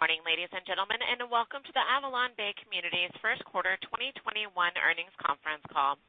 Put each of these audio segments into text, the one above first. Good morning, ladies and gentlemen, and welcome to the AvalonBay Communities first quarter 2021 earnings conference call.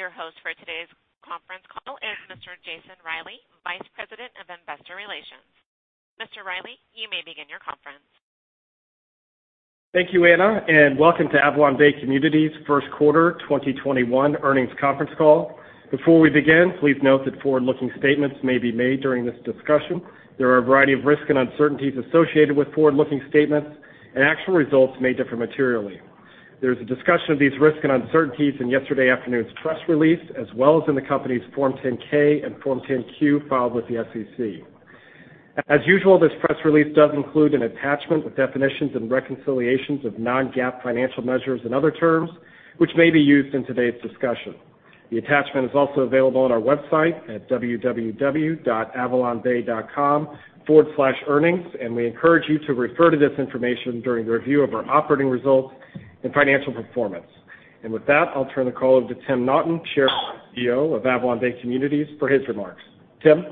Your host for today's conference call is Mr. Jason Reilley, Vice President of Investor Relations. Mr. Reilley, you may begin your conference. Thank you, Anna, and welcome to AvalonBay Communities first quarter 2021 earnings conference call. Before we begin, please note that forward-looking statements may be made during this discussion. There are a variety of risks and uncertainties associated with forward-looking statements, and actual results may differ materially. There's a discussion of these risks and uncertainties in yesterday afternoon's press release, as well as in the company's Form 10-K and Form 10-Q filed with the SEC. As usual, this press release does include an attachment with definitions and reconciliations of non-GAAP financial measures and other terms which may be used in today's discussion. The attachment is also available on our website at www.avalonbay.com/earnings, and we encourage you to refer to this information during the review of our operating results and financial performance. With that, I'll turn the call over to Tim Naughton, Chairman and CEO of AvalonBay Communities, for his remarks. Tim?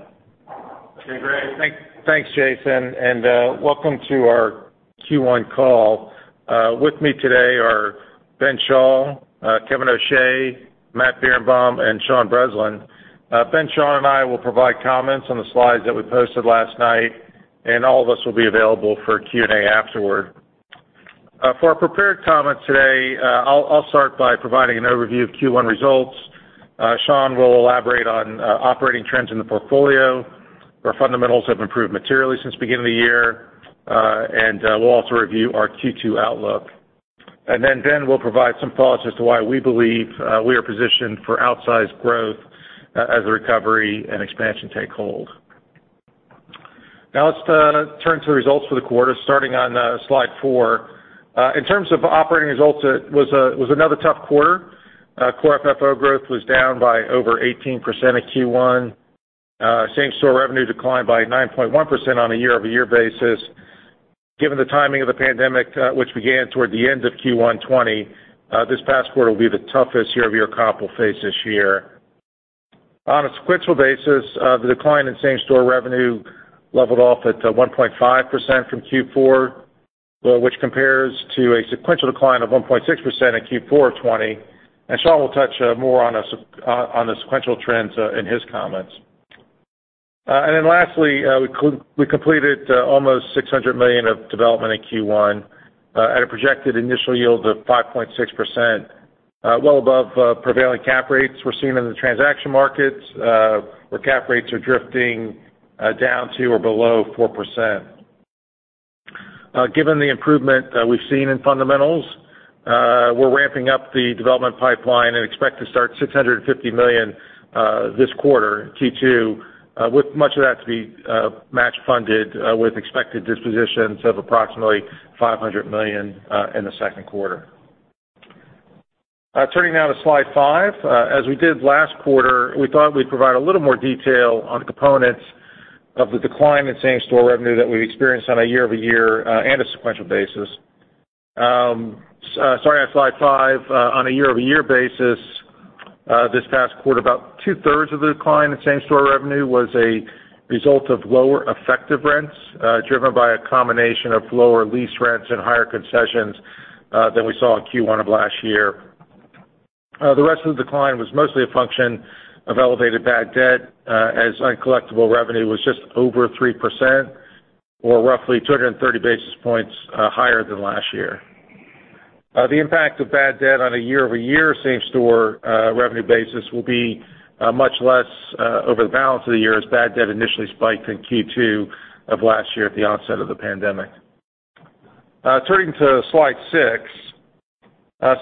Okay, great. Thanks, Jason, and welcome to our Q1 call. With me today are Ben Schall, Kevin O'Shea, Matt Birenbaum, and Sean Breslin. Ben Schall and I will provide comments on the slides that we posted last night, and all of us will be available for Q&A afterward. For our prepared comments today, I'll start by providing an overview of Q1 results. Sean will elaborate on operating trends in the portfolio. Our fundamentals have improved materially since the beginning of the year. We'll also review our Q2 outlook. Then Ben will provide some thoughts as to why we believe we are positioned for outsized growth as the recovery and expansion take hold. Let's turn to the results for the quarter, starting on slide four. In terms of operating results, it was another tough quarter. Core FFO growth was down by over 18% in Q1. Same-store revenue declined by 9.1% on a year-over-year basis. Given the timing of the pandemic, which began toward the end of Q1 2020, this past quarter will be the toughest year-over-year comp we'll face this year. On a sequential basis, the decline in same-store revenue leveled off at 1.5% from Q4, which compares to a sequential decline of 1.6% in Q4 2020, and Sean will touch more on the sequential trends in his comments. Lastly, we completed almost $600 million of development in Q1 at a projected initial yield of 5.6%, well above prevailing cap rates we're seeing in the transaction markets, where cap rates are drifting down to or below 4%. Given the improvement we've seen in fundamentals, we're ramping up the development pipeline and expect to start $650 million this quarter in Q2, with much of that to be match funded with expected dispositions of approximately $500 million in the second quarter. Turning now to slide five. As we did last quarter, we thought we'd provide a little more detail on the components of the decline in same-store revenue that we experienced on a year-over-year and a sequential basis. Starting on slide five, on a year-over-year basis this past quarter, about two-thirds of the decline in same-store revenue was a result of lower effective rents, driven by a combination of lower lease rents and higher concessions than we saw in Q1 of last year. The rest of the decline was mostly a function of elevated bad debt, as uncollectible revenue was just over 3%, or roughly 230 basis points higher than last year. The impact of bad debt on a year-over-year same-store revenue basis will be much less over the balance of the year, as bad debt initially spiked in Q2 of last year at the onset of the pandemic. Turning to slide six.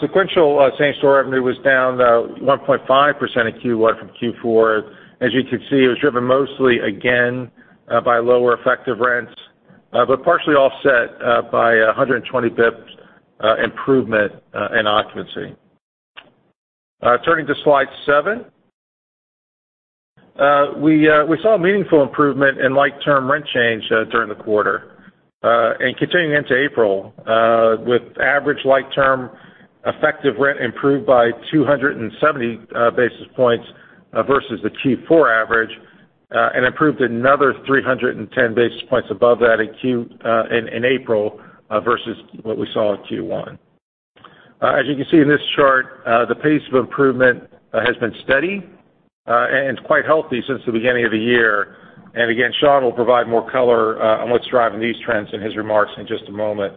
Sequential same-store revenue was down 1.5% in Q1 from Q4. As you can see, it was driven mostly again by lower effective rents, but partially offset by 120 bps improvement in occupancy. Turning to slide seven. We saw a meaningful improvement in like-term rent change during the quarter, and continuing into April, with average like-term effective rent improved by 270 basis points versus the Q4 average, and improved another 310 basis points above that in April versus what we saw in Q1. As you can see in this chart, the pace of improvement has been steady and quite healthy since the beginning of the year. Again, Sean will provide more color on what's driving these trends in his remarks in just a moment.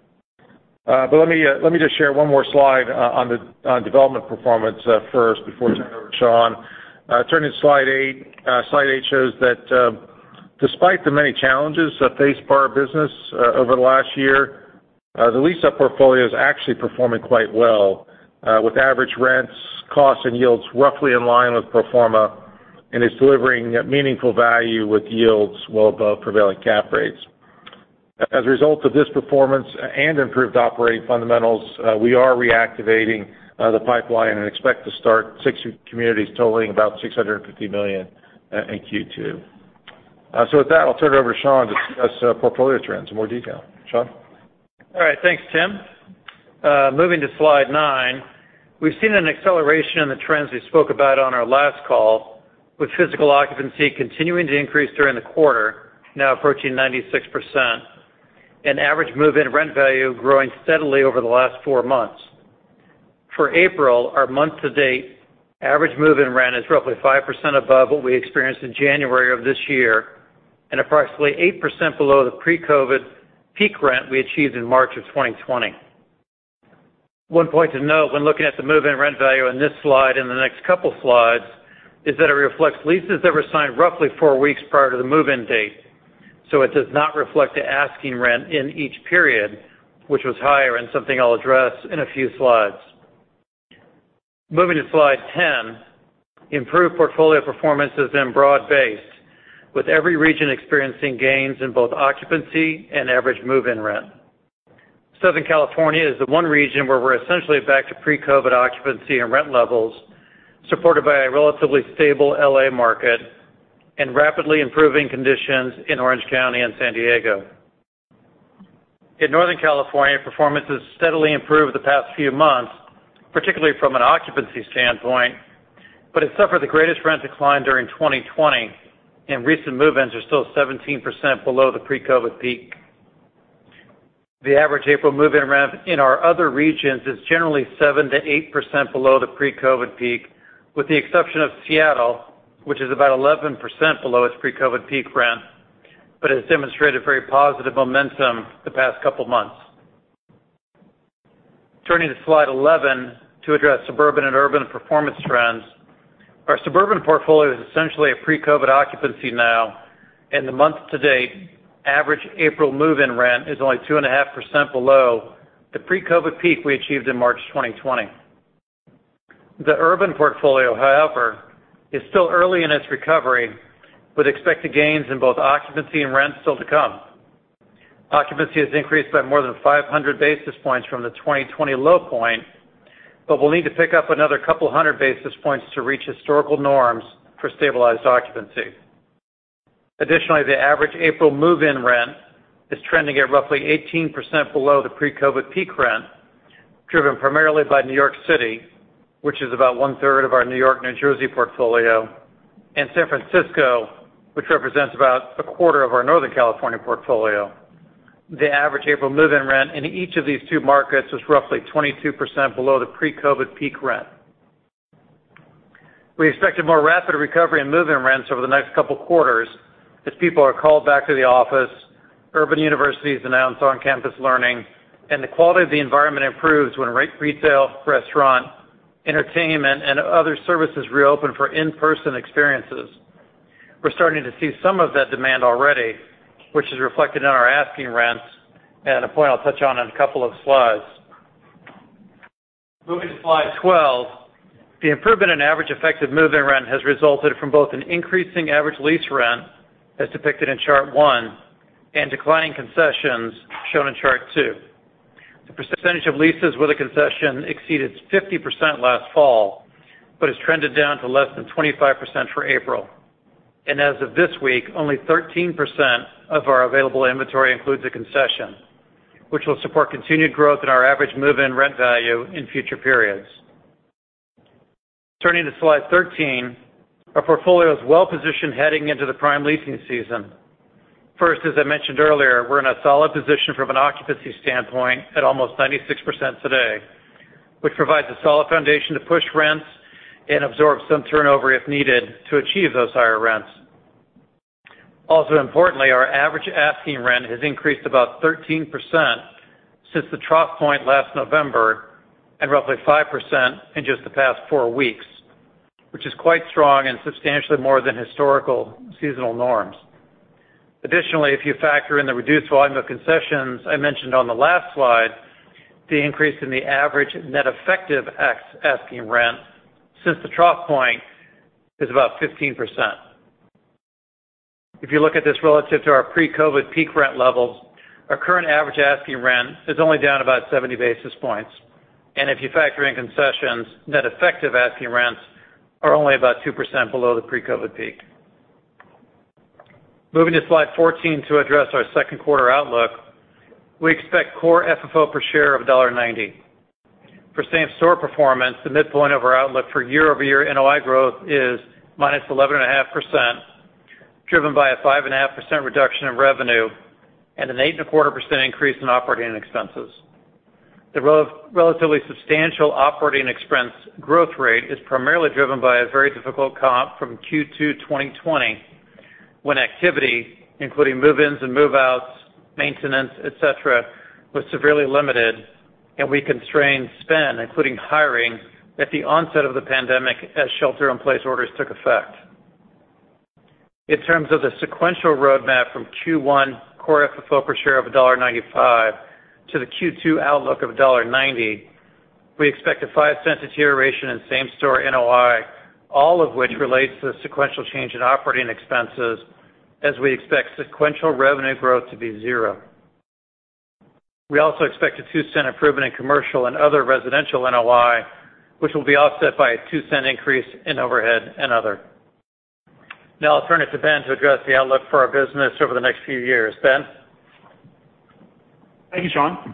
Let me just share one more slide on development performance first before I turn it over to Sean. Turning to slide eight. Slide eight shows that despite the many challenges that faced our business over the last year. The lease-up portfolio is actually performing quite well, with average rents, costs, and yields roughly in line with pro forma, and is delivering meaningful value with yields well above prevailing cap rates. As a result of this performance and improved operating fundamentals, we are reactivating the pipeline and expect to start six communities totaling about $650 million in Q2. With that, I'll turn it over to Sean to discuss portfolio trends in more detail. Sean? All right. Thanks, Tim. Moving to slide nine. We've seen an acceleration in the trends we spoke about on our last call, with physical occupancy continuing to increase during the quarter, now approaching 96%, and average move-in rent value growing steadily over the last four months. For April, our month to date, average move-in rent is roughly 5% above what we experienced in January of this year and approximately 8% below the pre-COVID peak rent we achieved in March of 2020. One point to note when looking at the move-in rent value on this slide and the next couple slides is that it reflects leases that were signed roughly four weeks prior to the move-in date, so it does not reflect the asking rent in each period, which was higher and something I'll address in a few slides. Moving to slide 10. Improved portfolio performance has been broad-based, with every region experiencing gains in both occupancy and average move-in rent. Southern California is the one region where we're essentially back to pre-COVID occupancy and rent levels, supported by a relatively stable L.A. market and rapidly improving conditions in Orange County and San Diego. In Northern California, performance has steadily improved the past few months, particularly from an occupancy standpoint, but it suffered the greatest rent decline during 2020, and recent move-ins are still 17% below the pre-COVID peak. The average April move-in rent in our other regions is generally 7%-8% below the pre-COVID peak, with the exception of Seattle, which is about 11% below its pre-COVID peak rent, but has demonstrated very positive momentum the past couple of months. Turning to slide 11 to address suburban and urban performance trends. Our suburban portfolio is essentially at pre-COVID occupancy now, and the month to date average April move-in rent is only 2.5% below the pre-COVID peak we achieved in March 2020. The urban portfolio, however, is still early in its recovery, with expected gains in both occupancy and rents still to come. Occupancy has increased by more than 500 basis points from the 2020 low point, but will need to pick up another couple hundred basis points to reach historical norms for stabilized occupancy. Additionally, the average April move-in rent is trending at roughly 18% below the pre-COVID peak rent, driven primarily by New York City, which is about one-third of our New York, New Jersey portfolio, and San Francisco, which represents about a quarter of our Northern California portfolio. The average April move-in rent in each of these two markets was roughly 22% below the pre-COVID peak rent. We expect a more rapid recovery in move-in rents over the next couple quarters as people are called back to the office, urban universities announce on-campus learning, and the quality of the environment improves when retail, restaurant, entertainment, and other services reopen for in-person experiences. We're starting to see some of that demand already, which is reflected in our asking rents and a point I'll touch on in a couple of slides. Moving to slide 12. The improvement in average effective move-in rent has resulted from both an increasing average lease rent, as depicted in chart one, and declining concessions, shown in chart two. The percentage of leases with a concession exceeded 50% last fall, but has trended down to less than 25% for April. As of this week, only 13% of our available inventory includes a concession, which will support continued growth in our average move-in rent value in future periods. Turning to slide 13. Our portfolio is well positioned heading into the prime leasing season. First, as I mentioned earlier, we are in a solid position from an occupancy standpoint at almost 96% today, which provides a solid foundation to push rents and absorb some turnover if needed to achieve those higher rents. Also importantly, our average asking rent has increased about 13% since the trough point last November and roughly 5% in just the past four weeks, which is quite strong and substantially more than historical seasonal norms. Additionally, if you factor in the reduced volume of concessions I mentioned on the last slide, the increase in the average net effective asking rent since the trough point is about 15%. If you look at this relative to our pre-COVID peak rent levels, our current average asking rent is only down about 70 basis points. If you factor in concessions, net effective asking rents are only about 2% below the pre-COVID peak. Moving to slide 14 to address our second quarter outlook. We expect Core FFO per share of $1.90. For same-store performance, the midpoint of our outlook for year-over-year NOI growth is -11.5%, driven by a 5.5% reduction in revenue and an 8.25% increase in operating expenses. The relatively substantial operating expense growth rate is primarily driven by a very difficult comp from Q2 2020, when activity, including move-ins and move-outs, maintenance, et cetera, was severely limited and we constrained spend, including hiring, at the onset of the pandemic as shelter-in-place orders took effect. In terms of the sequential roadmap from Q1 Core FFO per share of $1.95 to the Q2 outlook of $1.90, we expect a $0.05 deterioration in same-store NOI, all of which relates to the sequential change in operating expenses as we expect sequential revenue growth to be zero. We also expect a $0.02 improvement in commercial and other residential NOI, which will be offset by a $0.02 increase in overhead and other. I'll turn it to Ben to address the outlook for our business over the next few years. Ben? Thank you, Sean.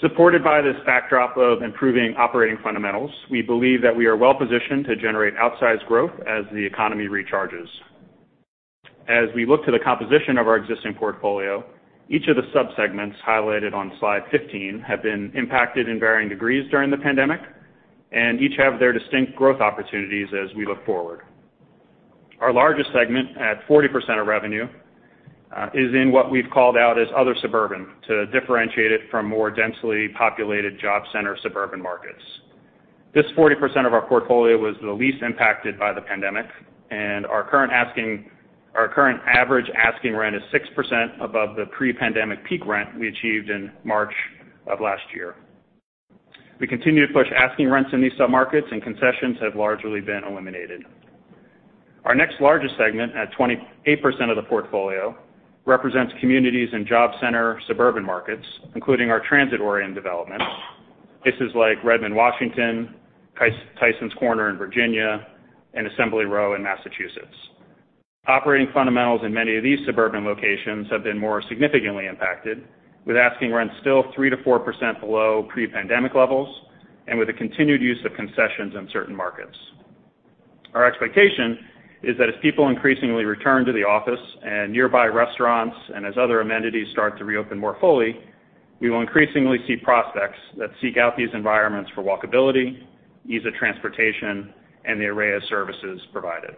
Supported by this backdrop of improving operating fundamentals, we believe that we are well-positioned to generate outsized growth as the economy recharges. As we look to the composition of our existing portfolio, each of the sub-segments highlighted on slide 15 have been impacted in varying degrees during the pandemic, and each have their distinct growth opportunities as we look forward. Our largest segment, at 40% of revenue, is in what we've called out as other suburban, to differentiate it from more densely populated job center suburban markets. This 40% of our portfolio was the least impacted by the pandemic, and our current average asking rent is 6% above the pre-pandemic peak rent we achieved in March of last year. We continue to push asking rents in these sub-markets and concessions have largely been eliminated. Our next largest segment, at 28% of the portfolio, represents communities and job center suburban markets, including our transit-oriented developments. Places like Redmond, Washington, Tysons Corner in Virginia, and Assembly Row in Massachusetts. Operating fundamentals in many of these suburban locations have been more significantly impacted, with asking rents still 3% to 4% below pre-pandemic levels, and with a continued use of concessions in certain markets. Our expectation is that as people increasingly return to the office and nearby restaurants and as other amenities start to reopen more fully, we will increasingly see prospects that seek out these environments for walkability, ease of transportation, and the array of services provided.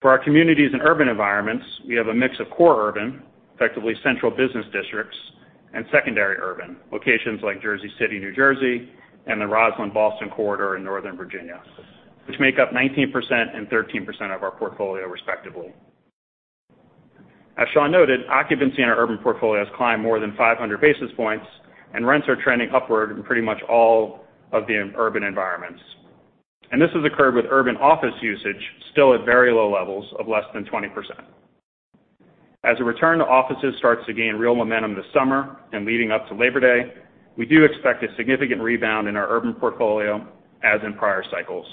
For our communities and urban environments, we have a mix of core urban, effectively central business districts, and secondary urban. Locations like Jersey City, New Jersey, and the Rosslyn-Ballston corridor in northern Virginia, which make up 19% and 13% of our portfolio respectively. As Sean noted, occupancy in our urban portfolio has climbed more than 500 basis points, and rents are trending upward in pretty much all of the urban environments. This has occurred with urban office usage still at very low levels of less than 20%. As a return to offices starts to gain real momentum this summer and leading up to Labor Day, we do expect a significant rebound in our urban portfolio as in prior cycles.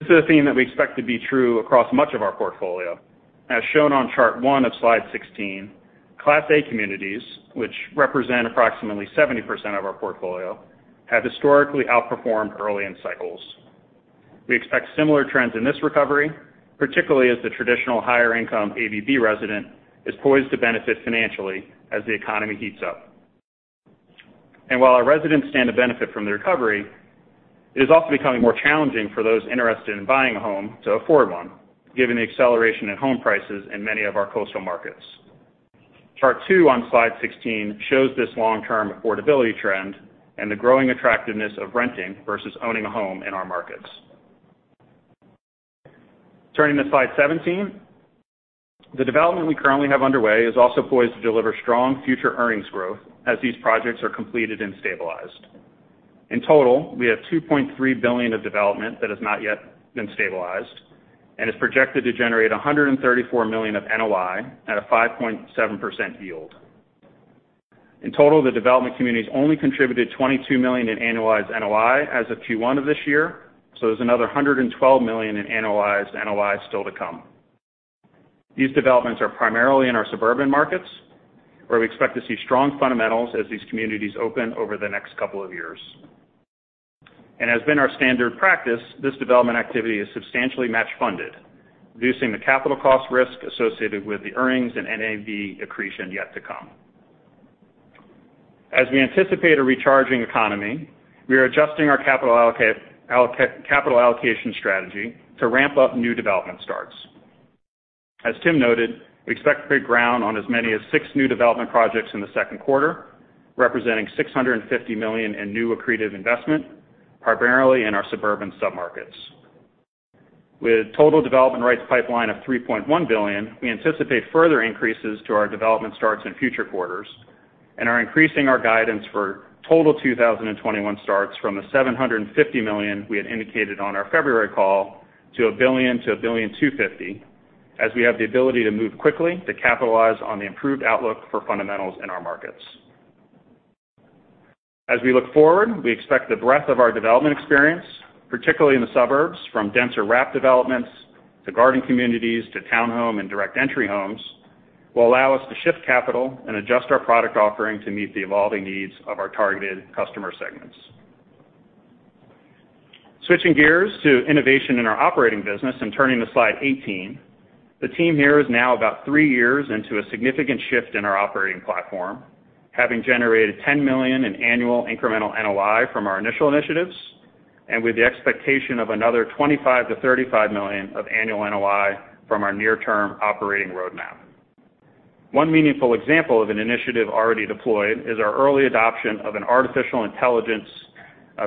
This is a theme that we expect to be true across much of our portfolio. As shown on chart one of slide 16, class A communities, which represent approximately 70% of our portfolio, have historically outperformed early in cycles. We expect similar trends in this recovery, particularly as the traditional higher income AVB resident is poised to benefit financially as the economy heats up. While our residents stand to benefit from the recovery, it is also becoming more challenging for those interested in buying a home to afford one, given the acceleration in home prices in many of our coastal markets. Chart two on slide 16 shows this long-term affordability trend and the growing attractiveness of renting versus owning a home in our markets. Turning to slide 17, the development we currently have underway is also poised to deliver strong future earnings growth as these projects are completed and stabilized. In total, we have $2.3 billion of development that has not yet been stabilized and is projected to generate $134 million of NOI at a 5.7% yield. In total, the development communities only contributed $22 million in annualized NOI as of Q1 of this year, so there's another $112 million in annualized NOI still to come. These developments are primarily in our suburban markets, where we expect to see strong fundamentals as these communities open over the next couple of years. As been our standard practice, this development activity is substantially match funded, reducing the capital cost risk associated with the earnings and NAV accretion yet to come. As we anticipate a recharging economy, we are adjusting our capital allocation strategy to ramp up new development starts. As Tim noted, we expect to break ground on as many as six new development projects in the second quarter, representing $650 million in new accretive investment, primarily in our suburban sub-markets. With total development rights pipeline of $3.1 billion, we anticipate further increases to our development starts in future quarters and are increasing our guidance for total 2021 starts from the $750 million we had indicated on our February call to $1 billion-$1.25 billion, as we have the ability to move quickly to capitalize on the improved outlook for fundamentals in our markets. As we look forward, we expect the breadth of our development experience, particularly in the suburbs, from denser wrap developments to garden communities to town home and direct entry homes, will allow us to shift capital and adjust our product offering to meet the evolving needs of our targeted customer segments. Switching gears to innovation in our operating business and turning to slide 18. The team here is now about three years into a significant shift in our operating platform, having generated $10 million in annual incremental NOI from our initial initiatives, with the expectation of another $25 million-$35 million of annual NOI from our near-term operating roadmap. One meaningful example of an initiative already deployed is our early adoption of an artificial intelligence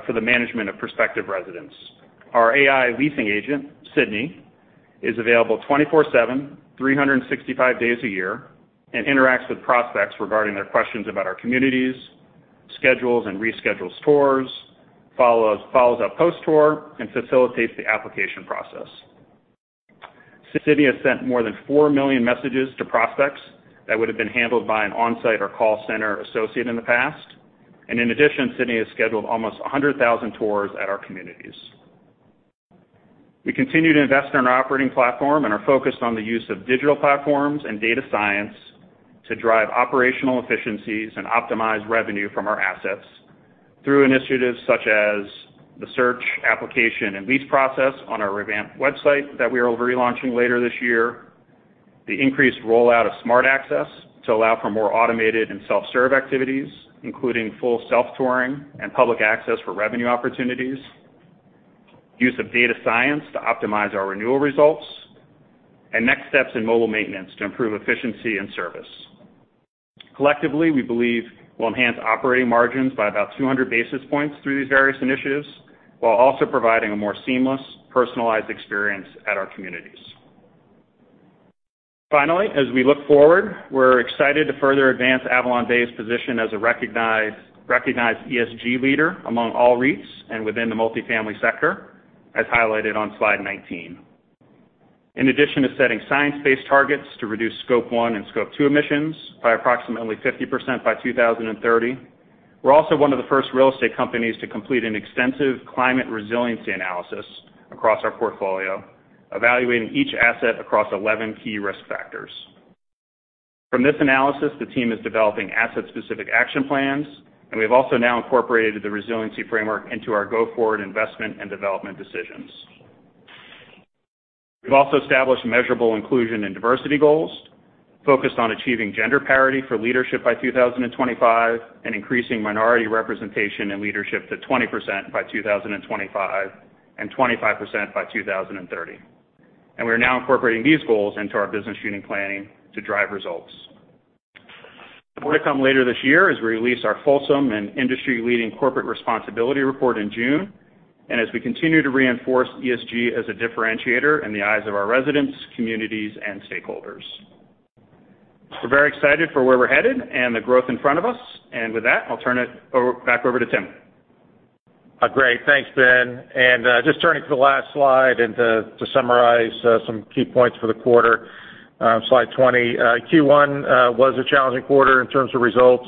for the management of prospective residents. Our AI leasing agent, Sidney, is available 24/7, 365 days a year, interacts with prospects regarding their questions about our communities, schedules and reschedules tours, follows up post-tour, and facilitates the application process. Sidney has sent more than 4 million messages to prospects that would've been handled by an on-site or call center associate in the past. In addition, Sidney has scheduled almost 100,000 tours at our communities. We continue to invest in our operating platform and are focused on the use of digital platforms and data science to drive operational efficiencies and optimize revenue from our assets through initiatives such as the search application and lease process on our revamped website that we are relaunching later this year, the increased rollout of smart access to allow for more automated and self-serve activities, including full self-touring and public access for revenue opportunities, use of data science to optimize our renewal results, and next steps in mobile maintenance to improve efficiency and service. Collectively, we believe we'll enhance operating margins by about 200 basis points through these various initiatives, while also providing a more seamless, personalized experience at our communities. Finally, as we look forward, we're excited to further advance AvalonBay's position as a recognized ESG leader among all REITs and within the multifamily sector, as highlighted on slide 19. In addition to setting science-based targets to reduce Scope 1 and Scope 2 emissions by approximately 50% by 2030, we're also one of the first real estate companies to complete an extensive climate resiliency analysis across our portfolio, evaluating each asset across 11 key risk factors. From this analysis the team is developing asset specific action plans and we have also now incorporated the resilience framework into our go foward and investment and development decisions. We've also established measurable inclusion and diversity goals focused on achieving gender parity for leadership by 2025 and increasing minority representation and leadership to 20% by 2025 and 25% by 2030. We're now incorporating these goals into our business unit planning to drive results. More to come later this year as we release our fulsome and industry-leading corporate responsibility report in June, and as we continue to reinforce ESG as a differentiator in the eyes of our residents, communities, and stakeholders. We're very excited for where we're headed and the growth in front of us. With that, I'll turn it back over to Timothy J. Naughton. Great. Thanks, Ben. Just turning to the last slide and to summarize some key points for the quarter, slide 20. Q1 was a challenging quarter in terms of results.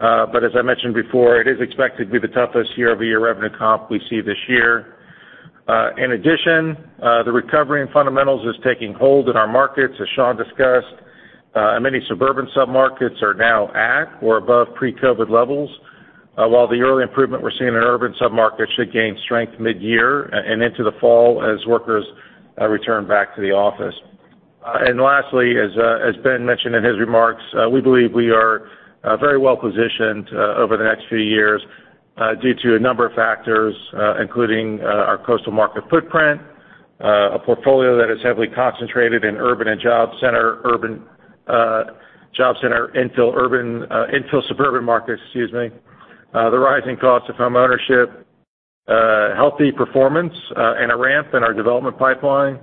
As I mentioned before, it is expected to be the toughest year-over-year revenue comp we see this year. In addition, the recovery in fundamentals is taking hold in our markets, as Sean discussed. Many suburban submarkets are now at or above pre-COVID levels. While the early improvement we're seeing in urban submarkets should gain strength mid-year and into the fall as workers return back to the office. Lastly, as Ben mentioned in his remarks, we believe we are very well-positioned over the next few years due to a number of factors including our coastal market footprint, a portfolio that is heavily concentrated in urban and job center infill suburban markets, excuse me. The rising cost of homeownership, healthy performance and a ramp in our development pipeline,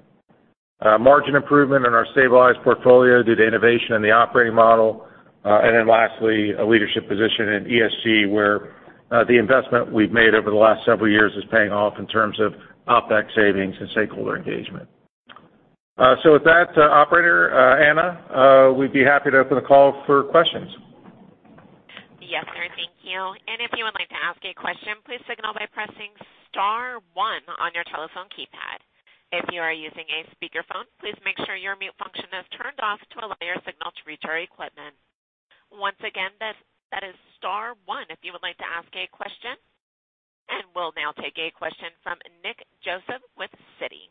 margin improvement in our stabilized portfolio due to innovation in the operating model, and then lastly, a leadership position in ESG, where the investment we've made over the last several years is paying off in terms of OPEX savings and stakeholder engagement. With that, operator Anna, we'd be happy to open the call for questions. Yes, sir. Thank you. If you would like to ask a question, please signal by pressing star one on your telephone keypad. If you are using a speakerphone, please make sure your mute function is turned off to allow your signal to reach our equipment. Once again, that is star one if you would like to ask a question. We'll now take a question from Nick Joseph with Citi.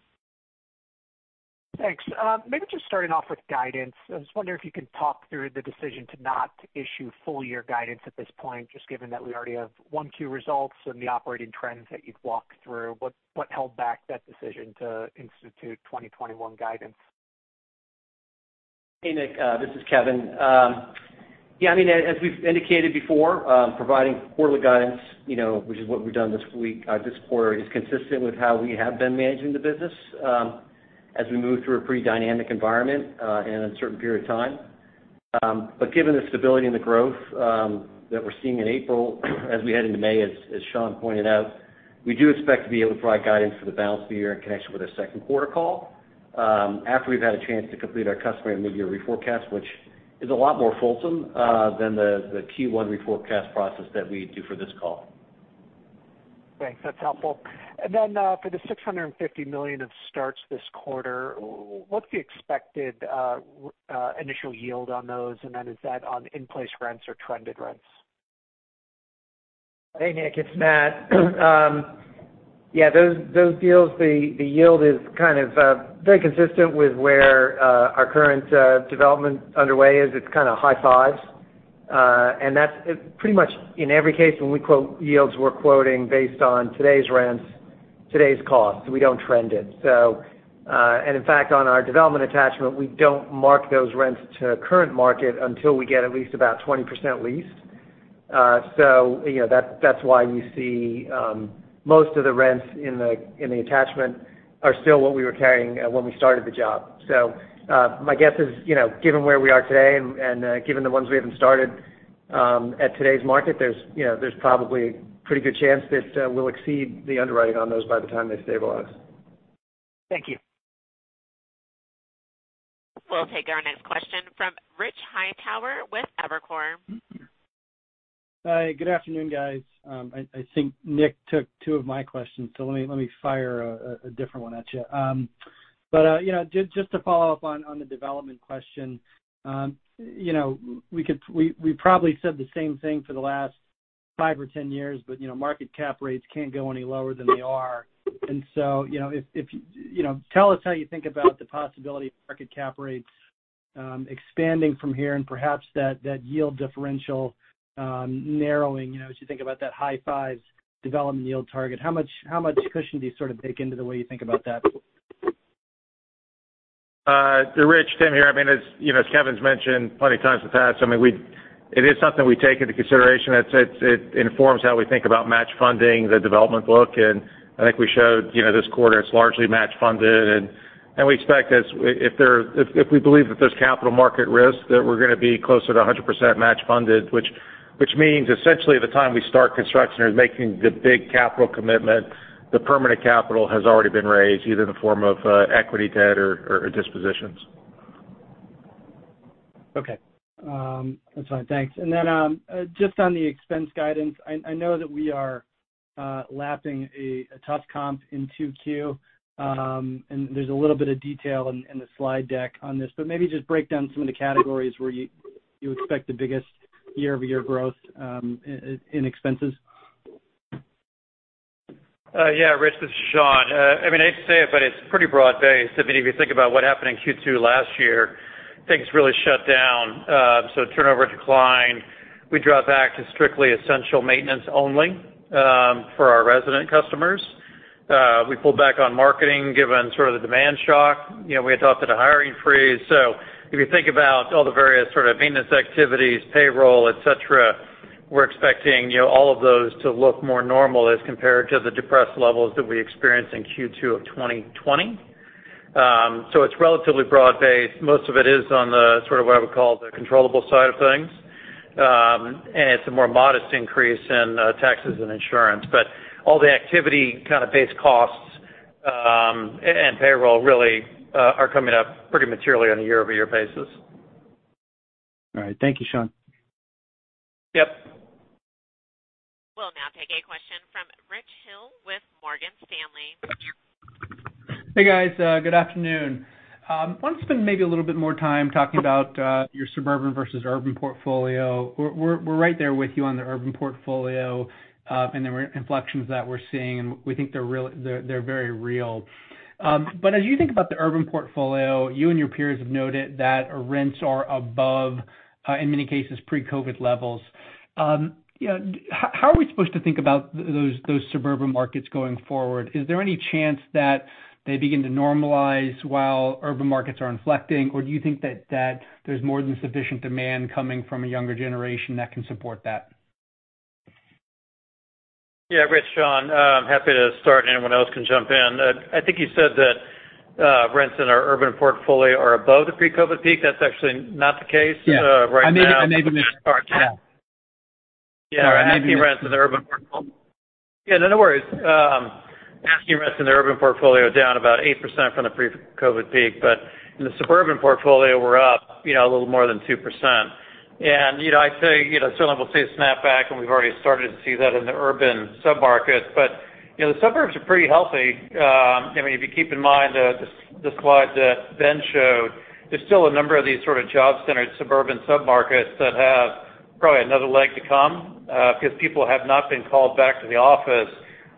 Thanks. Maybe just starting off with guidance. I was wondering if you could talk through the decision to not issue full-year guidance at this point, just given that we already have 1Q results and the operating trends that you've walked through. What held back that decision to institute 2021 guidance? Hey, Nick. This is Kevin. Yeah, as we've indicated before, providing quarterly guidance, which is what we've done this week, this quarter is consistent with how we have been managing the business as we move through a pretty dynamic environment in an uncertain period of time. Given the stability and the growth that we're seeing in April as we head into May, as Sean pointed out, we do expect to be able to provide guidance for the balance of the year in connection with our second quarter call after we've had a chance to complete our customer and mid-year reforecast, which is a lot more fulsome than the Q1 reforecast process that we do for this call. Thanks. That's helpful. For the $650 million of starts this quarter, what's the expected initial yield on those? Is that on in-place rents or trended rents? Hey, Nick, it's Matt. Yeah, those deals, the yield is kind of very consistent with where our current development underway is. It's kind of high fives. That's pretty much in every case when we quote yields, we're quoting based on today's rents. Today's cost, we don't trend it. In fact, on our development attachment, we don't mark those rents to current market until we get at least about 20% leased. That's why you see most of the rents in the attachment are still what we were carrying when we started the job. My guess is, given where we are today and given the ones we haven't started, at today's market, there's probably a pretty good chance that we'll exceed the underwriting on those by the time they stabilize. Thank you. We'll take our next question from Richard Hightower with Evercore. Hi. Good afternoon, guys. I think Nick took two of my questions, let me fire a different one at you. Just to follow up on the development question. We probably said the same thing for the last five or 10 years, market cap rates can't go any lower than they are. Tell us how you think about the possibility of market cap rates expanding from here and perhaps that yield differential narrowing as you think about that high fives development yield target. How much cushion do you sort of bake into the way you think about that? Rich, Tim here. As Kevin's mentioned plenty of times in the past, it is something we take into consideration. It informs how we think about match funding the development book, and I think we showed this quarter it's largely match funded. We expect if we believe that there's capital market risk, that we're going to be closer to 100% match funded, which means essentially the time we start construction or making the big capital commitment, the permanent capital has already been raised either in the form of equity, debt, or dispositions. Okay. That's fine. Thanks. Just on the expense guidance, I know that we are lapping a tough comp in 2Q, and there's a little bit of detail in the slide deck on this, but maybe just break down some of the categories where you expect the biggest year-over-year growth in expenses. Yeah, Rich, this is Sean. I hate to say it's pretty broad-based. If you think about what happened in Q2 last year, things really shut down. Turnover declined. We dropped back to strictly essential maintenance only for our resident customers. We pulled back on marketing, given sort of the demand shock. We had to up to the hiring freeze. If you think about all the various sort of maintenance activities, payroll, et cetera, we're expecting all of those to look more normal as compared to the depressed levels that we experienced in Q2 of 2020. It's relatively broad-based. Most of it is on the sort of what I would call the controllable side of things. It's a more modest increase in taxes and insurance. All the activity kind of base costs, and payroll really are coming up pretty materially on a year-over-year basis. All right. Thank you, Sean. Yep. We'll now take a question from Richard Hill with Morgan Stanley. Hey, guys. Good afternoon. I want to spend maybe a little bit more time talking about your suburban versus urban portfolio. We're right there with you on the urban portfolio, and the inflections that we're seeing, and we think they're very real. As you think about the urban portfolio, you and your peers have noted that rents are above, in many cases, pre-COVID levels. How are we supposed to think about those suburban markets going forward? Is there any chance that they begin to normalize while urban markets are inflecting, or do you think that there's more than sufficient demand coming from a younger generation that can support that? Yeah, Rich, Sean. I'm happy to start, anyone else can jump in. I think you said that rents in our urban portfolio are above the pre-COVID peak. That's actually not the case right now. Yeah. I maybe misspoke. Yeah. Yeah. No worries. Asking rents in the urban portfolio are down about 8% from the pre-COVID peak. In the suburban portfolio, we're up a little more than 2%. Certainly we'll see a snap back, and we've already started to see that in the urban sub-markets. The suburbs are pretty healthy. If you keep in mind the slide that Ben showed, there's still a number of these sort of job-centered suburban sub-markets that have probably another leg to come, because people have not been called back to the office.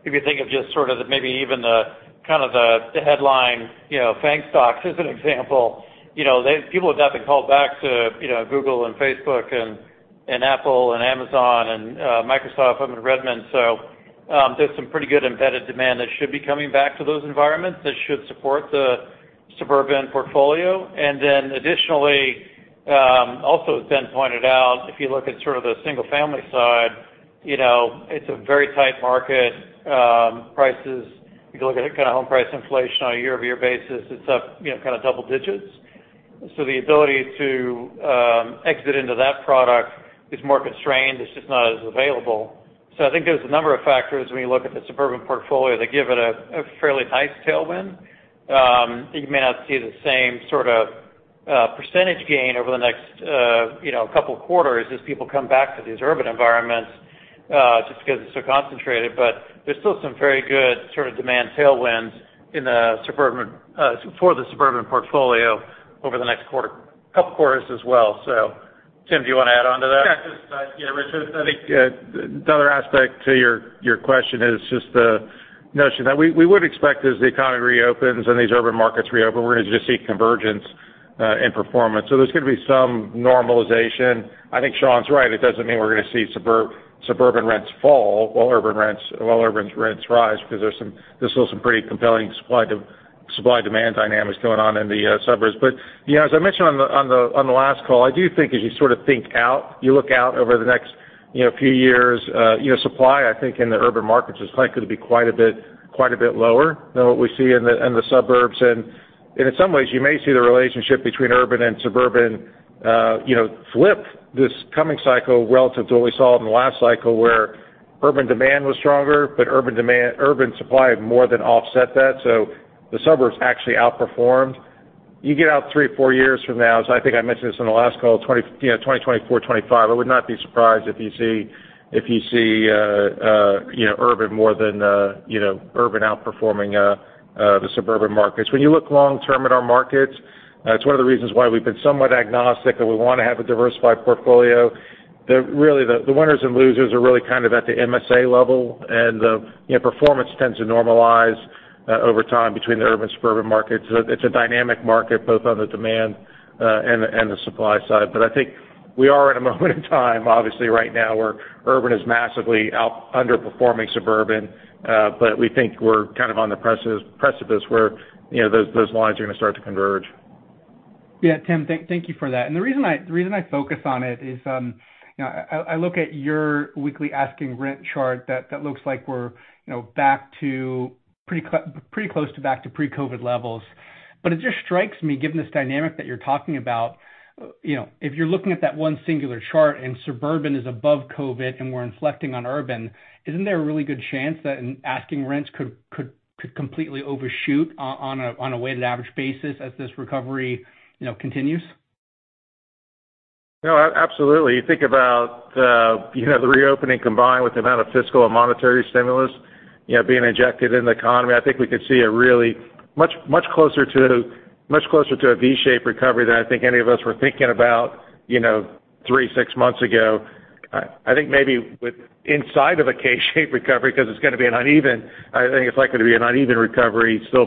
If you think of just sort of maybe even the kind of the headline, FAANG stocks as an example. People have not been called back to Google and Facebook and Apple and Amazon and Microsoft up in Redmond. There's some pretty good embedded demand that should be coming back to those environments that should support the suburban portfolio. Additionally, also as Ben pointed out, if you look at sort of the single-family side, it's a very tight market. If you look at kind of home price inflation on a year-over-year basis, it's up kind of double digits. The ability to exit into that product is more constrained. It's just not as available. I think there's a number of factors when you look at the suburban portfolio that give it a fairly nice tailwind. You may not see the same sort of percentage gain over the next couple of quarters as people come back to these urban environments, just because it's so concentrated. There's still some very good sort of demand tailwinds for the suburban portfolio over the next couple of quarters as well. Tim, do you want to add on to that? Rich, I think the other aspect to your question is just the notion that we would expect as the economy reopens and these urban markets reopen, we're going to just see convergence in performance. There's going to be some normalization. I think Sean's right. It doesn't mean we're going to see suburban rents fall while urban rents rise, because there's still some pretty compelling supply-demand dynamics going on in the suburbs. As I mentioned on the last call, I do think as you sort of think out, you look out over the next few years, supply, I think, in the urban markets is likely to be quite a bit lower than what we see in the suburbs. In some ways, you may see the relationship between urban and suburban flip this coming cycle relative to what we saw in the last cycle, where urban demand was stronger, but urban supply more than offset that. The suburbs actually outperformed. You get out three or four years from now, so I think I mentioned this in the last call, 2024, 2025, I would not be surprised if you see urban outperforming the suburban markets. When you look long term at our markets, it's one of the reasons why we've been somewhat agnostic, and we want to have a diversified portfolio. Really, the winners and losers are really kind of at the MSA level, and performance tends to normalize over time between the urban, suburban markets. It's a dynamic market, both on the demand and the supply side. I think we are at a moment in time, obviously right now, where urban is massively underperforming suburban. We think we're kind of on the precipice where those lines are going to start to converge. Yeah, Tim, thank you for that. The reason I focus on it is, I look at your weekly asking rent chart, that looks like we're pretty close to back to pre-COVID levels. It just strikes me, given this dynamic that you're talking about, if you're looking at that one singular chart and suburban is above COVID and we're inflecting on urban, isn't there a really good chance that asking rents could completely overshoot on a weighted average basis as this recovery continues? No, absolutely. You think about the reopening combined with the amount of fiscal and monetary stimulus being injected in the economy. I think we could see a really much closer to a V-shaped recovery than I think any of us were thinking about three, six months ago. I think maybe inside of a K-shaped recovery, because I think it's likely to be an uneven recovery, still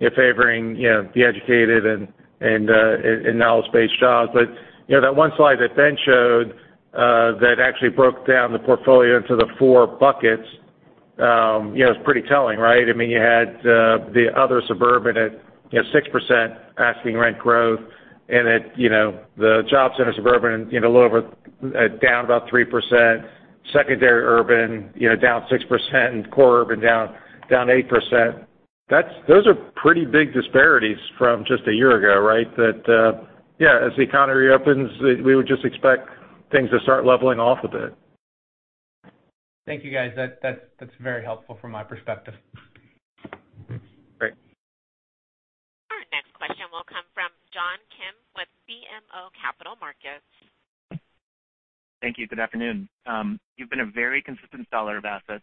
favoring the educated and knowledge-based jobs. That one slide that Ben showed that actually broke down the portfolio into the four buckets is pretty telling, right? You had the other suburban at 6% asking rent growth. The job center suburban down about 3%, secondary urban down 6%, and core urban down 8%. Those are pretty big disparities from just a year ago, right? That, yeah, as the economy reopens, we would just expect things to start leveling off a bit. Thank you, guys. That's very helpful from my perspective. Great. Our next question will come from John Kim with BMO Capital Markets. Thank you. Good afternoon. You've been a very consistent seller of assets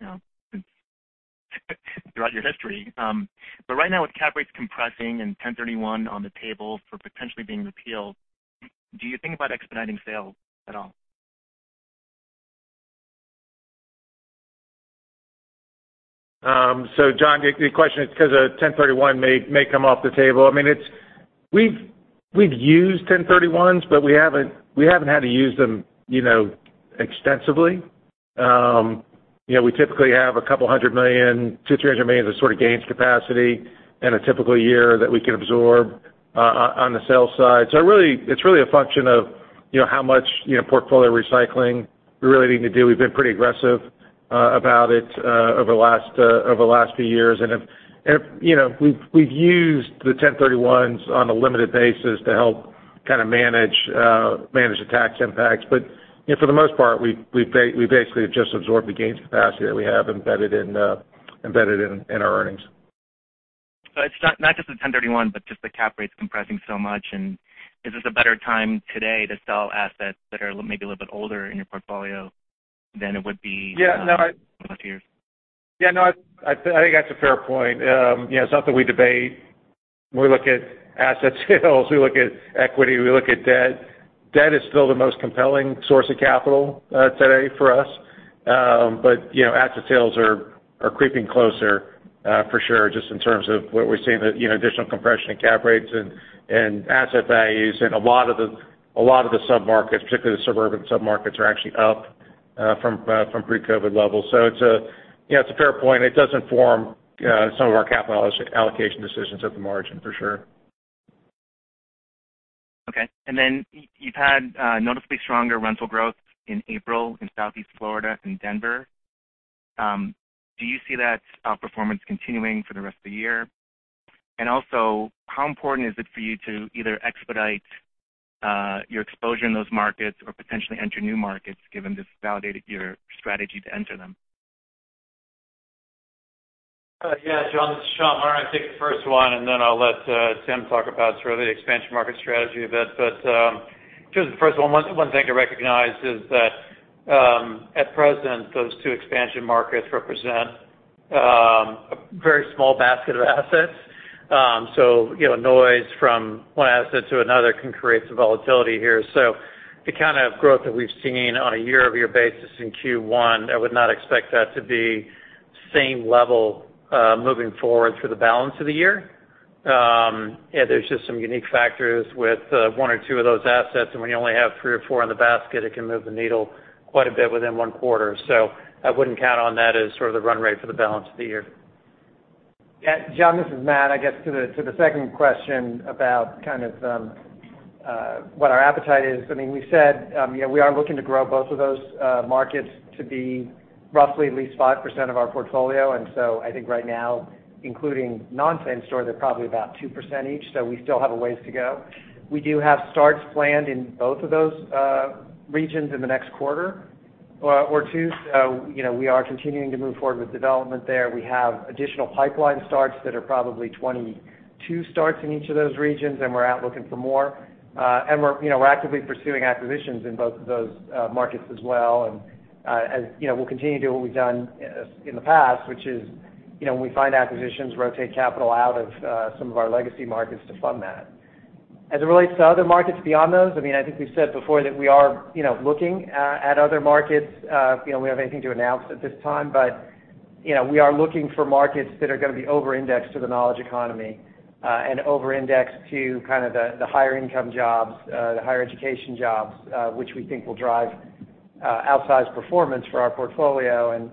at attractive returns and economic gains over the last throughout your history. Right now, with cap rates compressing and 1031 on the table for potentially being repealed, do you think about expediting sales at all? John, your question is because a 1031 may come off the table. We've used 1031s, but we haven't had to use them extensively. We typically have a couple hundred million to $300 million of sort of gains capacity in a typical year that we can absorb on the sales side. We've been pretty aggressive about it over the last few years. We've used the 1031s on a limited basis to help kind of manage the tax impacts. For the most part, we basically have just absorbed the gains capacity that we have embedded in our earnings. It's not just the 1031, but just the cap rates compressing so much, and is this a better time today to sell assets that are maybe a little bit older in your portfolio than it would be? Yeah, no. -in one or two years? Yeah, no, I think that's a fair point. It's not that we debate. We look at asset sales we look at equity, we look at debt. Debt is still the most compelling source of capital today for us. Asset sales are creeping closer for sure, just in terms of what we're seeing, the additional compression in cap rates and asset values. A lot of the sub-markets, particularly the suburban sub-markets, are actually up from pre-COVID levels. It's a fair point. It does inform some of our capital allocation decisions at the margin, for sure. Okay. You've had noticeably stronger rental growth in April in Southeast Florida and Denver. Do you see that outperformance continuing for the rest of the year? How important is it for you to either expedite your exposure in those markets or potentially enter new markets given this validated your strategy to enter them? Yeah, John, this is Sean. Why don't I take the first one, and then I'll let Tim talk about sort of the expansion market strategy a bit. Just the first one thing to recognize is that at present, those two expansion markets represent a very small basket of assets. Noise from one asset to another can create some volatility here. The kind of growth that we've seen on a year-over-year basis in Q1, I would not expect that to be same level moving forward for the balance of the year. There's just some unique factors with one or two of those assets, and when you only have three or four in the basket, it can move the needle quite a bit within one quarter. I wouldn't count on that as sort of the run rate for the balance of the year. John, this is Matt. I guess to the second question about kind of what our appetite is. We said we are looking to grow both of those markets to be roughly at least 5% of our portfolio. I think right now, including non-same-store, they're probably about 2% each, so we still have a ways to go. We do have starts planned in both of those regions in the next quarter or two. We are continuing to move forward with development there. We have additional pipeline starts that are probably 22 starts in each of those regions, we're out looking for more. We're actively pursuing acquisitions in both of those markets as well. We'll continue to do what we've done in the past, which is, when we find acquisitions, rotate capital out of some of our legacy markets to fund that. As it relates to other markets beyond those, I think we've said before that we are looking at other markets. We don't have anything to announce at this time, but we are looking for markets that are going to be over-indexed to the knowledge economy, and over-indexed to kind of the higher income jobs, the higher education jobs, which we think will drive outsized performance for our portfolio.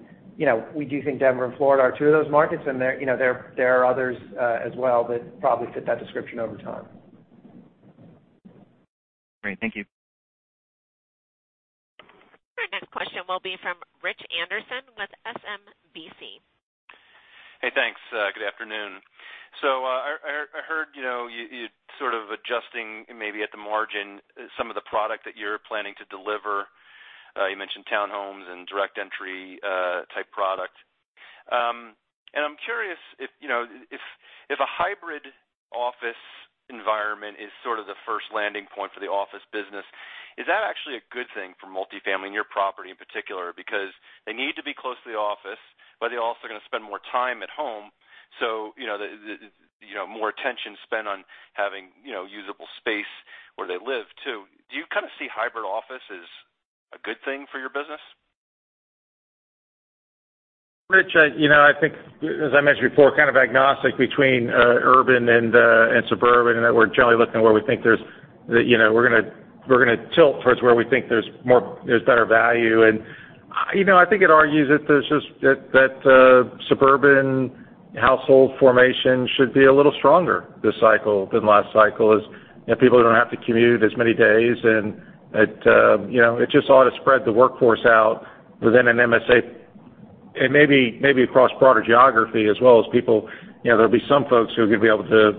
We do think Denver and Florida are two of those markets, and there are others as well that probably fit that description over time. Great. Thank you. Our next question will be from Richard Anderson with SMBC. Hey, thanks. Good afternoon. I heard you're sort of adjusting maybe at the margin some of the product that you're planning to deliver. You mentioned townhomes and direct entry type product. I'm curious if a hybrid office environment is sort of the first landing point for the office business, is that actually a good thing for multifamily and your property in particular? Because they need to be close to the office, but they're also going to spend more time at home. More attention spent on having usable space where they live, too. Do you kind of see hybrid office as a good thing for your business? Rich, I think as I mentioned before, kind of agnostic between urban and suburban, and that we're generally looking. We're going to tilt towards where we think there's better value. I think it argues that suburban household formation should be a little stronger this cycle than last cycle, as people don't have to commute as many days and it just ought to spread the workforce out within an MSA and maybe across broader geography as well, as people, there'll be some folks who are going to be able to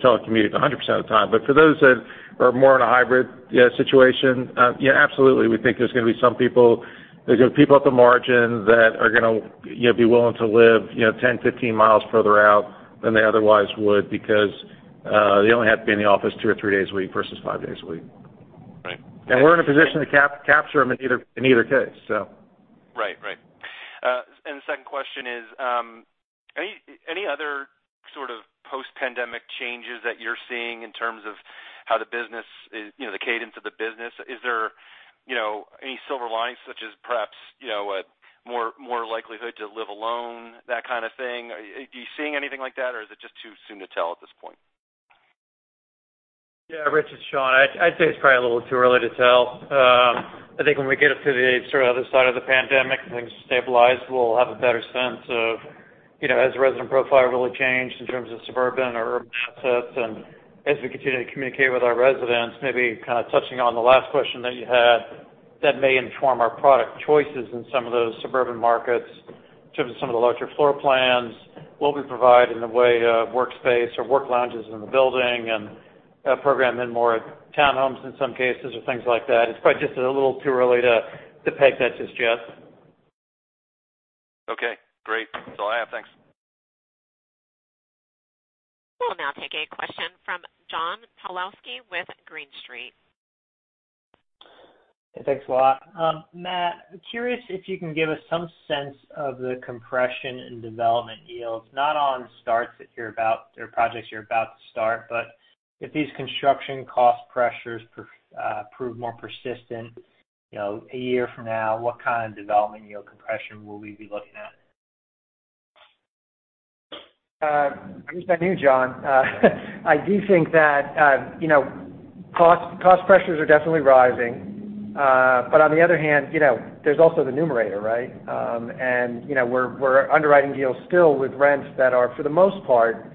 telecommute 100% of the time. For those that are more in a hybrid situation, absolutely, we think there's going to be some people, there's going to be people at the margin that are going to be willing to live 10, 15 miles further out than they otherwise would because they only have to be in the office two or three days a week versus five days a week. Right. We're in a position to capture them in either case. Right. The second question is, any other sort of post-pandemic changes that you're seeing in terms of how the cadence of the business? Is there any silver linings such as perhaps more likelihood to live alone, that kind of thing? Are you seeing anything like that, or is it just too soon to tell at this point? Yeah, Rich, it's Sean. I'd say it's probably a little too early to tell. I think when we get up to the sort of other side of the pandemic and things stabilize, we'll have a better sense of has the resident profile really changed in terms of suburban or urban assets. As we continue to communicate with our residents, maybe kind of touching on the last question that you had, that may inform our product choices in some of those suburban markets in terms of some of the larger floor plans, what we provide in the way of workspace or work lounges in the building, and program in more townhomes in some cases or things like that. It's probably just a little too early to peg that just yet. Okay, great. That's all I have. Thanks. We'll now take a question from John Pawlowski with Green Street. Hey, thanks a lot, Matt. I'm curious if you can give us some sense of the compression in development yields, not on projects you're about to start, but if these construction cost pressures prove more persistent a year from now, what kind of development yield compression will we be looking at? I wish I knew, John. I do think that cost pressures are definitely rising. On the other hand, there's also the numerator, right? We're underwriting deals still with rents that are, for the most part,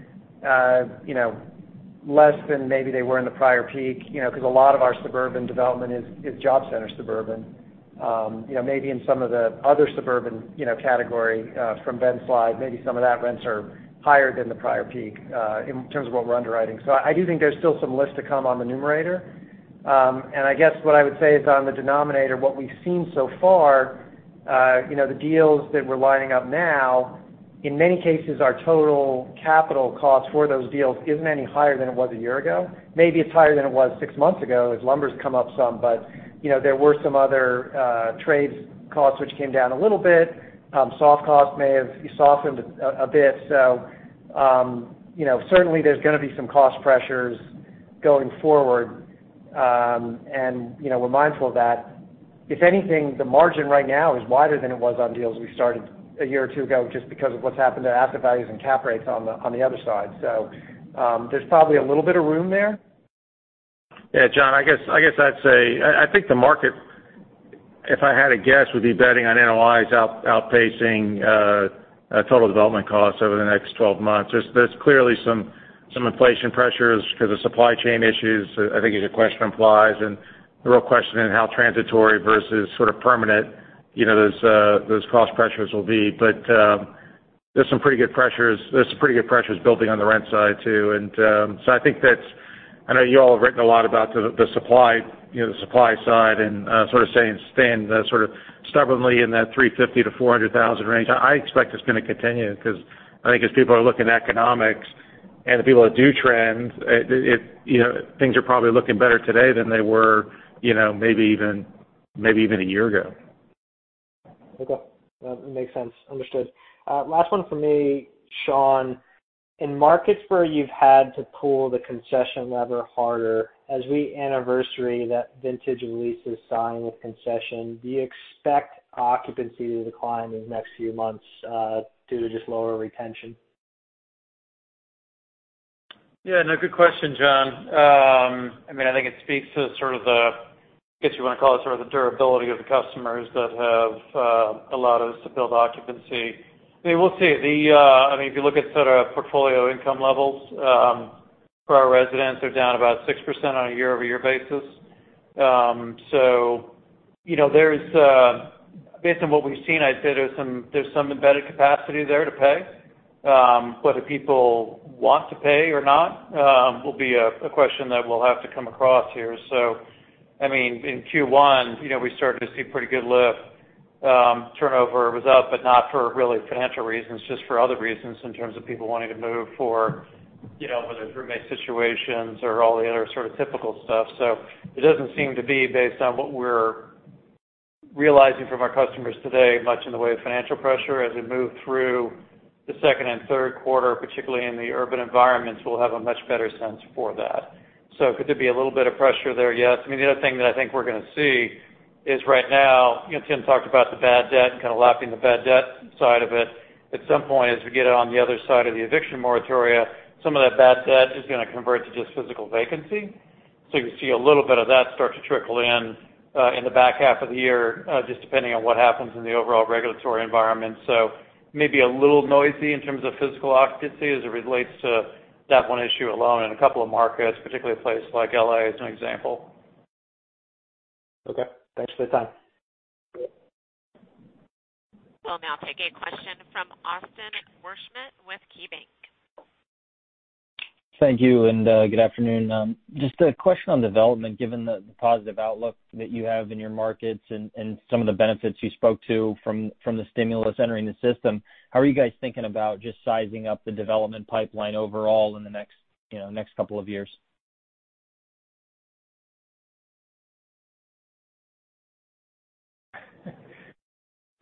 less than maybe they were in the prior peak, because a lot of our suburban development is job center suburban. Maybe in some of the other suburban category from Ben's slide, maybe some of that rents are higher than the prior peak in terms of what we're underwriting. I do think there's still some lift to come on the numerator. I guess what I would say is on the denominator, what we've seen so far, the deals that we're lining up now, in many cases our total capital cost for those deals isn't any higher than it was a year ago. Maybe it's higher than it was six months ago as lumber's come up some. There were some other trades costs which came down a little bit. Soft costs may have softened a bit. Certainly there's going to be some cost pressures going forward. We're mindful of that. If anything, the margin right now is wider than it was on deals we started a year or two ago just because of what's happened to asset values and cap rates on the other side. There's probably a little bit of room there. Yeah, John, I guess I'd say, I think the market, if I had to guess, would be betting on NOIs outpacing total development costs over the next 12 months. There's clearly some inflation pressures because of supply chain issues, I think as your question implies, and the real question in how transitory versus sort of permanent those cost pressures will be. There's some pretty good pressures building on the rent side, too. I know you all have written a lot about the supply side and sort of staying stubbornly in that 350,000 to 400,000 range. I expect it's going to continue because I think as people are looking at economics and the people that do trend, things are probably looking better today than they were maybe even a year ago. Okay. That makes sense. Understood. Last one from me, Sean. In markets where you've had to pull the concession lever harder, as we anniversary that vintage leases signed with concession, do you expect occupancy to decline in the next few months due to just lower retention? Yeah, no, good question, John. I think it speaks to sort of the, I guess you want to call it sort of the durability of the customers that have allowed us to build occupancy. We'll see. If you look at sort of portfolio income levels for our residents, they're down about 6% on a year-over-year basis. Based on what we've seen, I'd say there's some embedded capacity there to pay. Whether people want to pay or not will be a question that we'll have to come across here. In Q1, we started to see pretty good lift. Turnover was up, but not for really financial reasons, just for other reasons in terms of people wanting to move for whether it's roommate situations or all the other sort of typical stuff. It doesn't seem to be based on what we're realizing from our customers today much in the way of financial pressure. As we move through the second and third quarter, particularly in the urban environments, we'll have a much better sense for that. Could there be a little bit of pressure there? Yes. The other thing that I think we're going to see is right now, Tim talked about the bad debt and kind of lapping the bad debt side of it. At some point, as we get on the other side of the eviction moratoria, some of that bad debt is going to convert to just physical vacancy. You could see a little bit of that start to trickle in the back half of the year, just depending on what happens in the overall regulatory environment. Maybe a little noisy in terms of physical occupancy as it relates to that one issue alone in a couple of markets, particularly a place like L.A. as an example. Okay. Thanks for the time. We'll now take a question from Austin Wurschmidt with KeyBanc. Thank you. Good afternoon. Just a question on development, given the positive outlook that you have in your markets and some of the benefits you spoke to from the stimulus entering the system. How are you guys thinking about just sizing up the development pipeline overall in the next couple of years?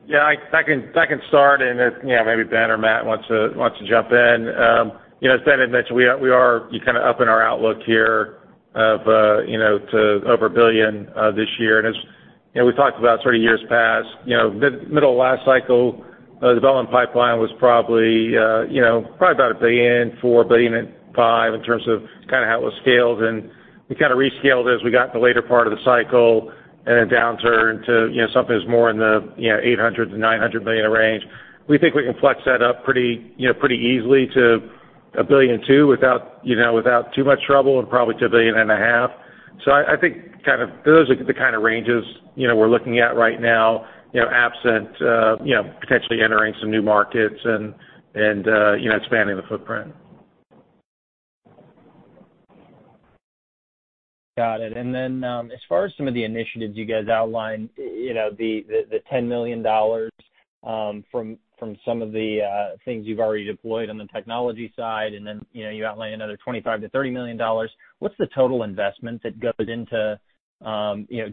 Yeah, I can start, if maybe Ben or Matt wants to jump in. As Ben had mentioned, we are kind of upping our outlook here to over $1 billion this year. As we talked about sort of years past, middle of last cycle, the development pipeline was probably about $1.4 billion, $1.5 billion in terms of kind of how it was scaled, and we kind of rescaled it as we got in the later part of the cycle in a downturn to something that's more in the $800 million-$900 million range. We think we can flex that up pretty easily to $1.2 billion without too much trouble and probably to a billion and a half. I think those are the kind of ranges we're looking at right now, absent potentially entering some new markets and expanding the footprint. Got it. As far as some of the initiatives you guys outlined, the $10 million from some of the things you've already deployed on the technology side, and then you outlined another $25 million-$30 million. What's the total investment that goes into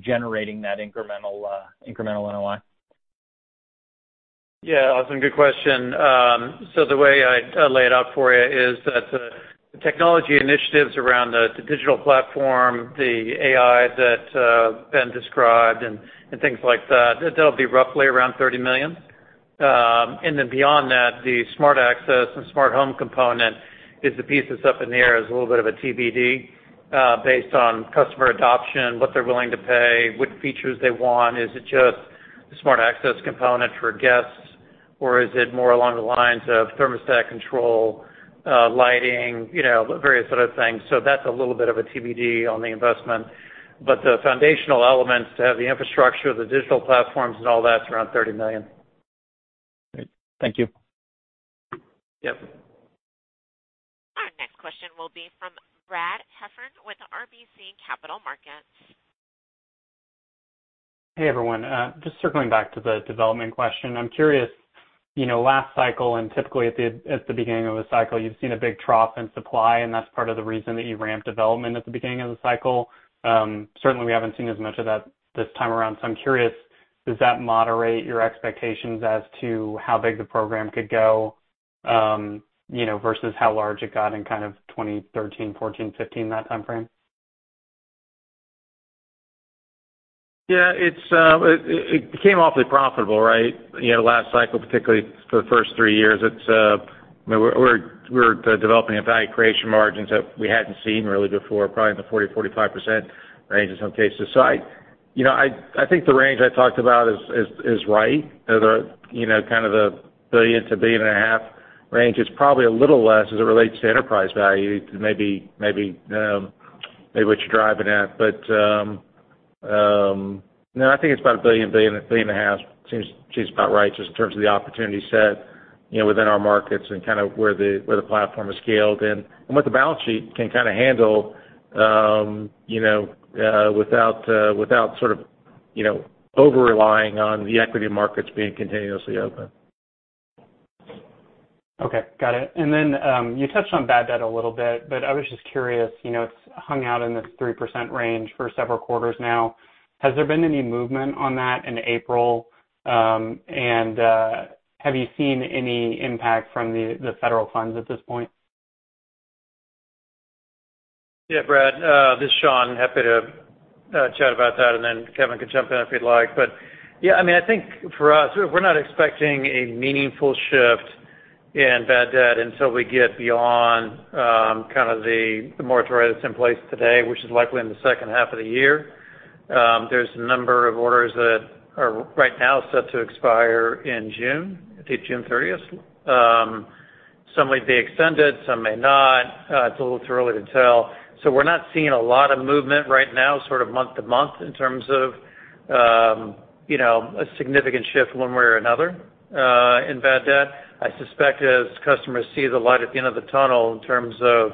generating that incremental NOI? Yeah, Austin, good question. The way I lay it out for you is that the technology initiatives around the digital platform, the AI that Ben described, and things like that'll be roughly around $30 million. Beyond that, the smart access and smart home component is the piece that's up in the air as a little bit of a TBD based on customer adoption, what they're willing to pay, what features they want. Is it just the smart access component for guests, or is it more along the lines of thermostat control, lighting, various other things? That's a little bit of a TBD on the investment. The foundational elements to have the infrastructure, the digital platforms, and all that's around $30 million. Great. Thank you. Yep. Our next question will be from Brad Heffern with RBC Capital Markets. Hey, everyone. Just circling back to the development question. I'm curious, last cycle and typically at the beginning of a cycle, you've seen a big trough in supply, and that's part of the reason that you ramp development at the beginning of the cycle. Certainly, we haven't seen as much of that this time around. I'm curious, does that moderate your expectations as to how big the program could go versus how large it got in kind of 2013, 2014, 2015, that timeframe? Yeah. It became awfully profitable, right? Last cycle, particularly for the first three years, we're developing value creation margins that we hadn't seen really before, probably in the 40%-45% range in some cases. I think the range I talked about is right. The kind of the $1 billion-$1.5 billion range is probably a little less as it relates to enterprise value to maybe what you're driving at. No, I think it's about $1 billion, $1.5 billion seems about right, just in terms of the opportunity set within our markets and kind of where the platform is scaled and what the balance sheet can kind of handle without sort of over-relying on the equity markets being continuously open. Okay. Got it. You touched on bad debt a little bit, but I was just curious, it's hung out in this 3% range for several quarters now. Has there been any movement on that in April? Have you seen any impact from the federal funds at this point? Yeah, Brad, this is Sean. Happy to chat about that, and then Kevin can jump in if he'd like. Yeah, I think for us, we're not expecting a meaningful shift in bad debt until we get beyond kind of the moratorium that's in place today, which is likely in the second half of the year. There's a number of orders that are right now set to expire in June, I think June 30th. Some might be extended, some may not. It's a little too early to tell. We're not seeing a lot of movement right now, sort of month to month in terms of a significant shift one way or another in bad debt. I suspect as customers see the light at the end of the tunnel in terms of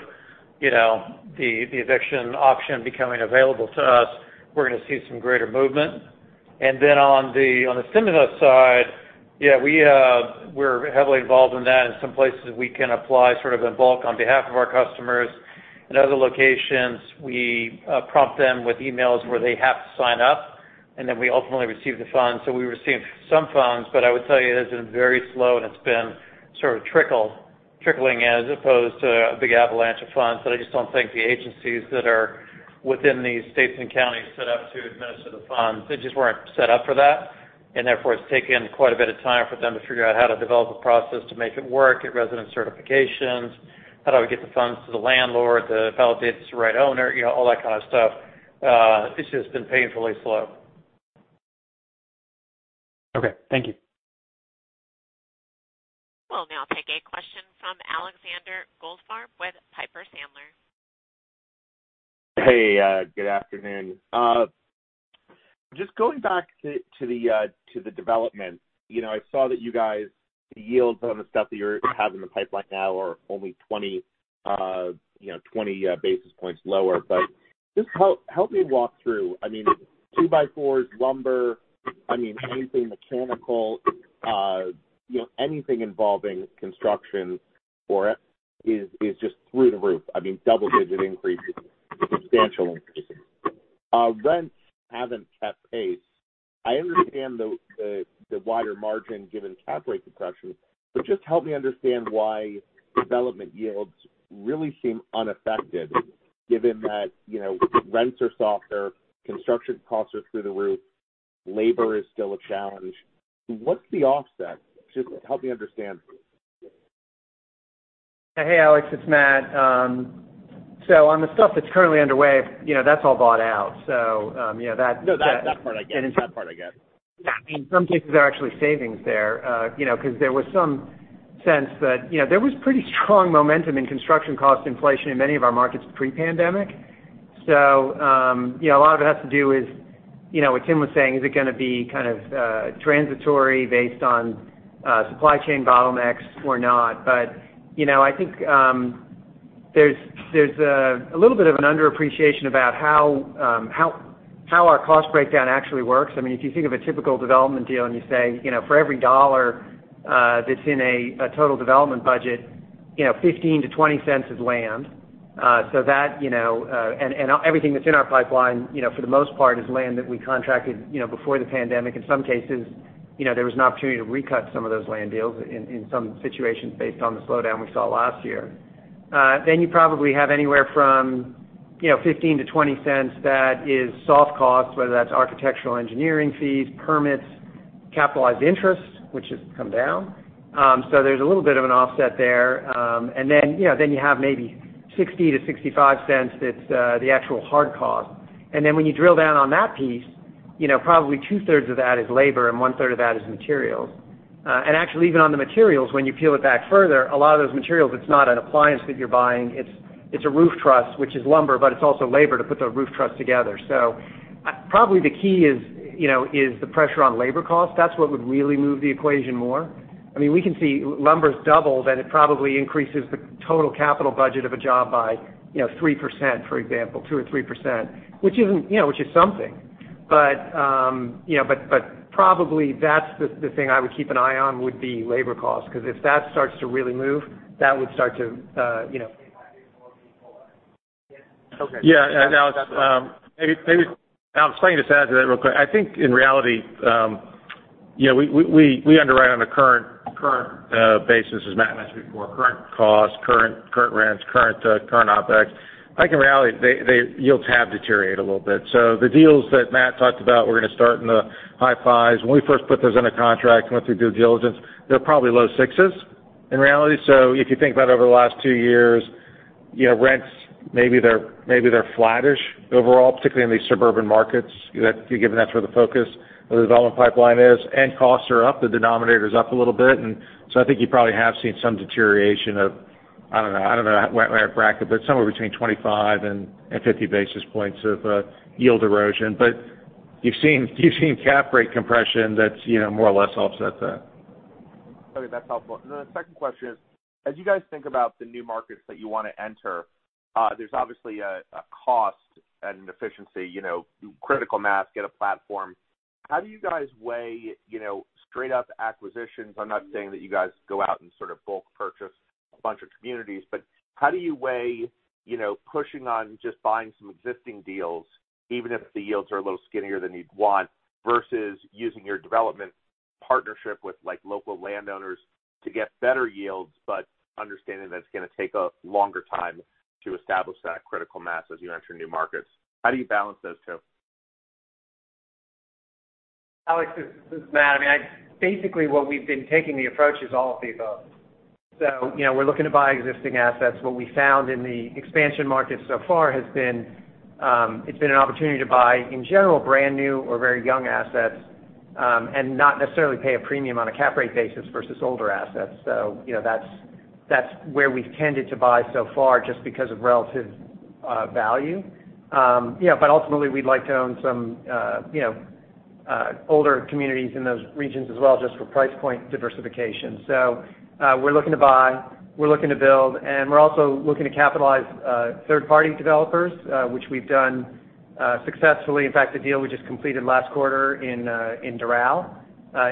the eviction option becoming available to us, we're going to see some greater movement. On the stimulus side, yeah, we're heavily involved in that. In some places, we can apply sort of in bulk on behalf of our customers. In other locations, we prompt them with emails where they have to sign up, and then we ultimately receive the funds. We receive some funds, but I would tell you, it has been very slow and it's been sort of trickling in as opposed to a big avalanche of funds. I just don't think the agencies that are within these states and counties set up to administer the funds, they just weren't set up for that. Therefore, it's taken quite a bit of time for them to figure out how to develop a process to make it work, get resident certifications, how do I get the funds to the landlord to validate it's the right owner, all that kind of stuff. It's just been painfully slow. Okay. Thank you. We'll now take a question from Alexander Goldfarb with Piper Sandler. Hey, good afternoon. Just going back to the development. I saw that you guys, the yields on the stuff that you have in the pipeline now are only 20 basis points lower. Just help me walk through. I mean, two-by-fours, lumber, anything mechanical, anything involving construction for it is just through the roof. I mean, double-digit increases, substantial increases. Rents haven't kept pace. I understand the wider margin given cap rate compression, but just help me understand why development yields really seem unaffected given that rents are softer, construction costs are through the roof, labor is still a challenge. What's the offset? Just help me understand. Hey, Alexander Goldfarb, it's Matthew H. Birenbaum. On the stuff that's currently underway, that's all bought out. No, that part I get. In some cases are actually savings there because there was some sense that there was pretty strong momentum in construction cost inflation in many of our markets pre-pandemic. A lot of it has to do with what Tim was saying, is it going to be kind of transitory based on supply chain bottlenecks or not? I think there's a little bit of an underappreciation about how our cost breakdown actually works. If you think of a typical development deal and you say for every dollar that's in a total development budget, $0.15-$0.20 is land. Everything that's in our pipeline for the most part is land that we contracted before the pandemic. In some cases, there was an opportunity to recut some of those land deals in some situations based on the slowdown we saw last year. You probably have anywhere from $0.15-$0.20 that is soft cost, whether that's architectural engineering fees, permits, capitalized interest, which has come down. There's a little bit of an offset there. You have maybe $0.60-$0.65 that's the actual hard cost. When you drill down on that piece, probably 2/3 of that is labor and 1/3 of that is materials. Actually, even on the materials, when you peel it back further, a lot of those materials, it's not an appliance that you're buying. It's a roof truss, which is lumber, but it's also labor to put the roof truss together. Probably the key is the pressure on labor costs. That's what would really move the equation more. We can see lumber double, it probably increases the total capital budget of a job by 3%, for example, 2% or 3%, which is something. Probably that's the thing I would keep an eye on, would be labor costs, because if that starts to really move. Yeah. Alex, let me just add to that real quick. I think in reality, we underwrite on a current basis, as Matt mentioned before, current cost, current rents, current OPEX. I think in reality, the yields have deteriorated a little bit. The deals that Matt talked about were going to start in the high fives. When we first put those under contract and went through due diligence, they were probably low sixes in reality. If you think about over the last two years, rents, maybe they're flattish overall, particularly in these suburban markets, given that's where the focus of the development pipeline is, and costs are up. The denominator's up a little bit, and so I think you probably have seen some deterioration of, I don't know, what bracket, but somewhere between 25 and 50 basis points of yield erosion. You've seen cap rate compression that's more or less offset that. Okay, that's helpful. The second question is, as you guys think about the new markets that you want to enter, there's obviously a cost and an efficiency, critical mass, get a platform. How do you guys weigh straight-up acquisitions? I'm not saying that you guys go out and sort of bulk purchase a bunch of communities, but how do you weigh pushing on just buying some existing deals, even if the yields are a little skinnier than you'd want, versus using your development partnership with local landowners to get better yields, but understanding that it's going to take a longer time to establish that critical mass as you enter new markets? How do you balance those two? Alex, this is Matt. What we've been taking the approach is all of the above. We're looking to buy existing assets. What we found in the expansion markets so far has been, it's been an opportunity to buy, in general, brand-new or very young assets, and not necessarily pay a premium on a cap rate basis versus older assets. That's where we've tended to buy so far, just because of relative value. Ultimately, we'd like to own some older communities in those regions as well, just for price point diversification. We're looking to buy, we're looking to build, and we're also looking to capitalize third-party developers, which we've done successfully. In fact, the deal we just completed last quarter in Doral,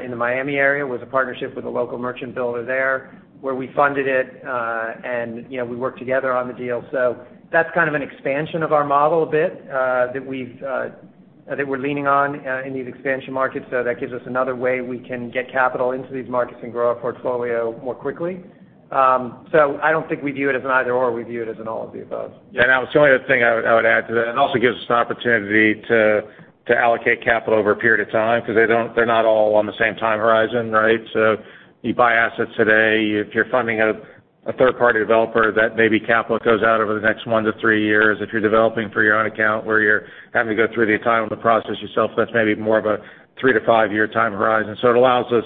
in the Miami area, was a partnership with a local merchant builder there, where we funded it, and we worked together on the deal. That's kind of an expansion of our model a bit, that we're leaning on in these expansion markets. That gives us another way we can get capital into these markets and grow our portfolio more quickly. I don't think we view it as an either/or. We view it as an all of the above. Yeah. Alex, the only other thing I would add to that, it also gives us an opportunity to allocate capital over a period of time, because they're not all on the same time horizon, right? You buy assets today. If you're funding a third-party developer, that maybe capital goes out over the next one to three years. If you're developing for your own account, where you're having to go through the time and the process yourself, that's maybe more of a three to five-year time horizon. It allows us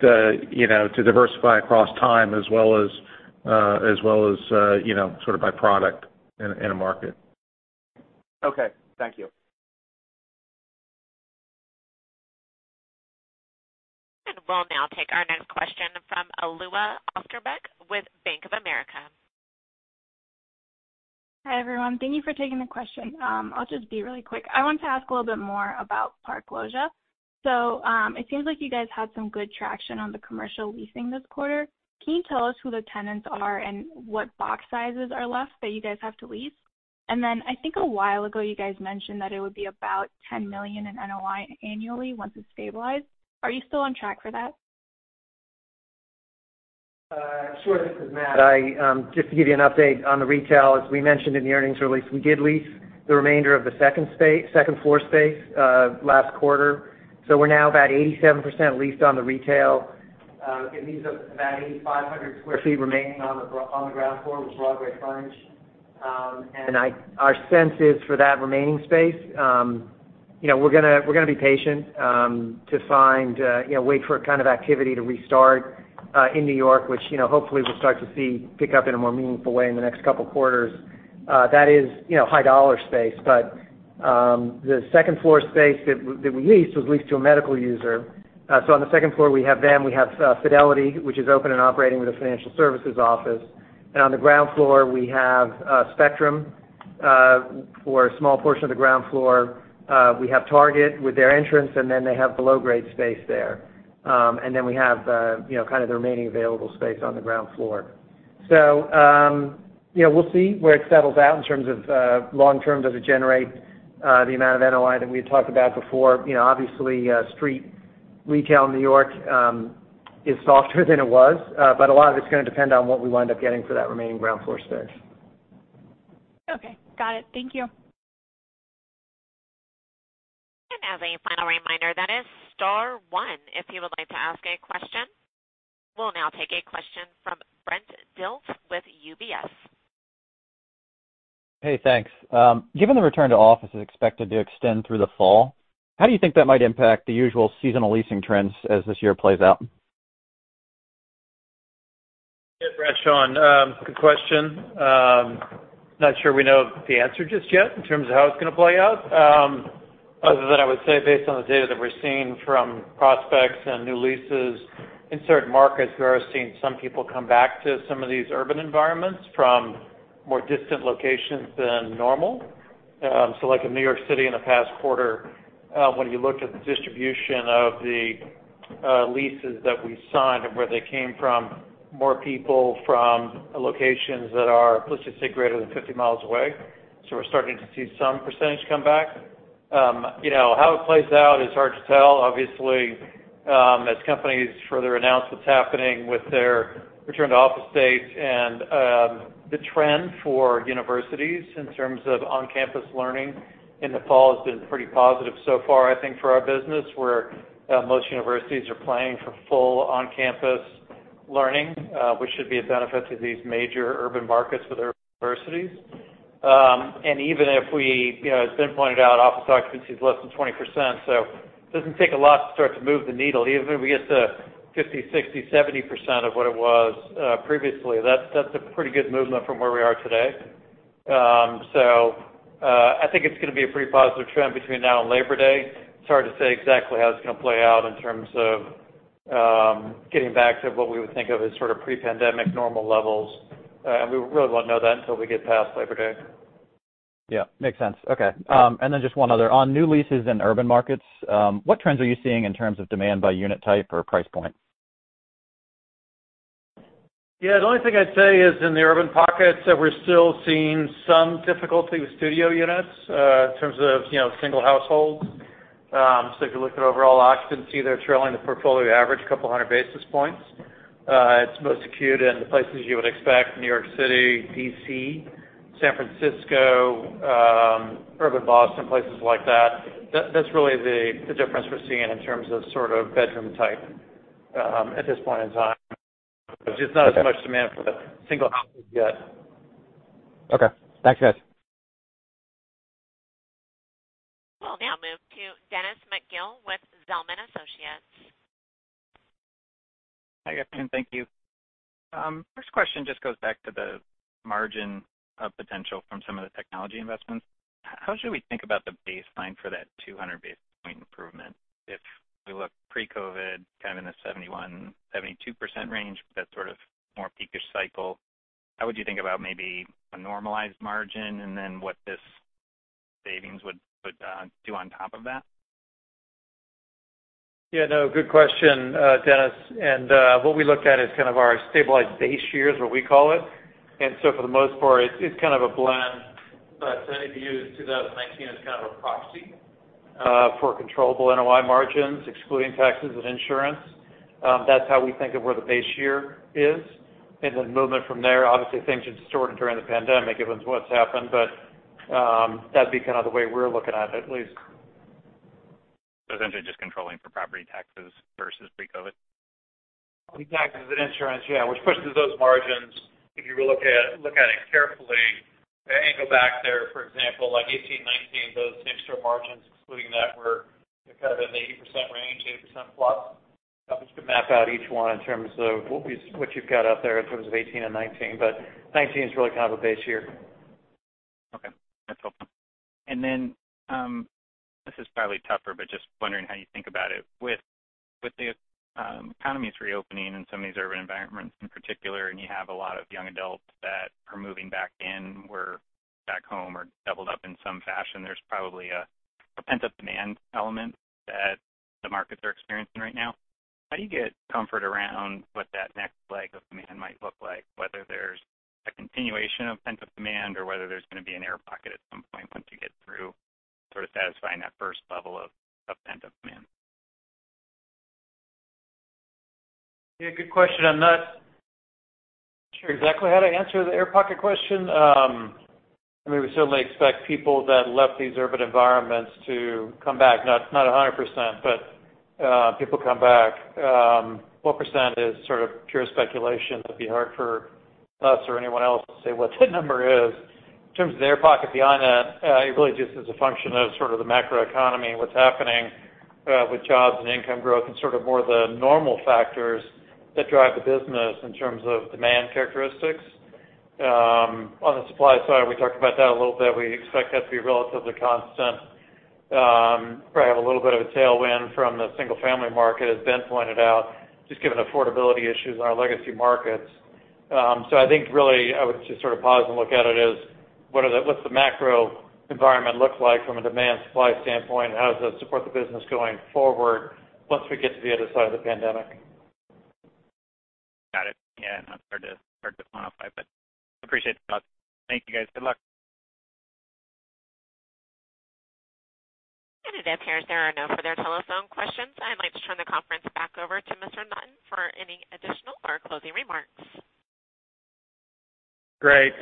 to diversify across time as well as sort of by product in a market. Okay. Thank you. We'll now take our next question from Amanda Sweitzer with Bank of America. Hi, everyone. Thank you for taking the question. I'll just be really quick. I wanted to ask a little bit more about Park Loggia. It seems like you guys had some good traction on the commercial leasing this quarter. Can you tell us who the tenants are and what box sizes are left that you guys have to lease? I think a while ago, you guys mentioned that it would be about $10 million in NOI annually once it's stabilized. Are you still on track for that? Sure. This is Matt. Just to give you an update on the retail, as we mentioned in the earnings release, we did lease the remainder of the second-floor space last quarter. We're now about 87% leased on the retail. It leaves up about 8,500 sq ft remaining on the ground floor with Broadway Fudge. Our sense is for that remaining space, we're going to be patient to wait for kind of activity to restart in New York, which hopefully we'll start to see pick up in a more meaningful way in the next couple of quarters. That is high-dollar space, but the second-floor space that we leased was leased to a medical user. On the second floor, we have them. We have Fidelity, which is open and operating with a financial services office. On the ground floor, we have Spectrum for a small portion of the ground floor. We have Target with their entrance, and then they have the below-grade space there. We have kind of the remaining available space on the ground floor. We'll see where it settles out in terms of long term. Does it generate the amount of NOI that we had talked about before? Obviously, street retail in New York is softer than it was. A lot of it's going to depend on what we wind up getting for that remaining ground floor space. Okay. Got it. Thank you. As a final reminder, that is star one if you would like to ask a question. We'll now take a question from Brent Dilts with UBS. Hey, thanks. Given the return to office is expected to extend through the fall, how do you think that might impact the usual seasonal leasing trends as this year plays out? Yeah, Brent, Sean. Good question. Not sure we know the answer just yet in terms of how it's going to play out, other than I would say based on the data that we're seeing from prospects and new leases, in certain markets, we are seeing some people come back to some of these urban environments from more distant locations than normal Like in New York City in the past quarter, when you looked at the distribution of the leases that we signed and where they came from, more people from locations that are, let's just say, greater than 50 miles away. We're starting to see some percentage come back. How it plays out is hard to tell. Obviously, as companies further announce what's happening with their return to office dates and the trend for universities in terms of on-campus learning in the fall has been pretty positive so far, I think, for our business, where most universities are planning for full on-campus learning, which should be a benefit to these major urban markets with their universities. Even if we, as Ben pointed out, office occupancy is less than 20%, so it doesn't take a lot to start to move the needle. Even if we get to 50%, 60%, 70% of what it was previously, that's a pretty good movement from where we are today. I think it's going to be a pretty positive trend between now and Labor Day. It's hard to say exactly how it's going to play out in terms of getting back to what we would think of as sort of pre-pandemic normal levels. We really won't know that until we get past Labor Day. Yeah. Makes sense. Okay. Yeah. Just one other. On new leases in urban markets, what trends are you seeing in terms of demand by unit type or price point? Yeah, the only thing I'd say is in the urban pockets, that we're still seeing some difficulty with studio units, in terms of single households. If you look at overall occupancy, they're trailing the portfolio average a couple hundred basis points. It's most acute in the places you would expect, New York City, D.C., San Francisco, urban Boston, places like that. That's really the difference we're seeing in terms of sort of bedroom type, at this point in time. There's just not as much. Okay demand for the single houses yet. Okay. Thanks, guys. We'll now move to Dennis McGill with Zelman & Associates. Hi, guys, thank you. First question just goes back to the margin of potential from some of the technology investments. How should we think about the baseline for that 200-basis point improvement? If we look pre-COVID, kind of in the 71%, 72% range, that sort of more peak-ish cycle, how would you think about maybe a normalized margin and then what this savings would do on top of that? Yeah, no, good question, Dennis. What we looked at is kind of our stabilized base year is what we call it. For the most part, it's kind of a blend. To use 2019 as kind of a proxy for controllable NOI margins, excluding taxes and insurance. That's how we think of where the base year is, and then movement from there. Obviously, things have distorted during the pandemic, given what's happened. That'd be kind of the way we're looking at it, at least. Essentially just controlling for property taxes versus pre-COVID. Property taxes and insurance, yeah, which pushes those margins. If you look at it carefully and go back there, for example, like 2018, 2019, those same-store margins excluding that were kind of in the 80% range, 80% plus. You could map out each one in terms of what you've got out there in terms of 2018 and 2019. 2019 is really kind of a base year. Okay. That's helpful. This is probably tougher, but just wondering how you think about it. With the economies reopening in some of these urban environments in particular, and you have a lot of young adults that are moving back in, were back home or doubled up in some fashion, there's probably a pent-up demand element that the markets are experiencing right now. How do you get comfort around what that next leg of demand might look like, whether there's a continuation of pent-up demand or whether there's going to be an air pocket at some point once you get through sort of satisfying that first level of pent-up demand? Yeah, good question. I'm not sure exactly how to answer the air pocket question. We certainly expect people that left these urban environments to come back. Not 100%, but people come back. What % is sort of pure speculation. It'd be hard for us or anyone else to say what that number is. In terms of the air pocket beyond that, it really just is a function of sort of the macroeconomy and what's happening with jobs and income growth and sort of more the normal factors that drive the business in terms of demand characteristics. On the supply side, we talked about that a little bit. We expect that to be relatively constant. Probably have a little bit of a tailwind from the single-family market, as Ben pointed out, just given affordability issues in our legacy markets. I think really I would just sort of pause and look at it as, what's the macro environment look like from a demand, supply standpoint, and how does that support the business going forward once we get to the other side of the pandemic? Got it. Yeah. No, it's hard to quantify, but appreciate the thoughts. Thank you, guys. Good luck. It appears there are no further telephone questions. I'd like to turn the conference back over to Mr. Naughton for any additional or closing remarks. Great.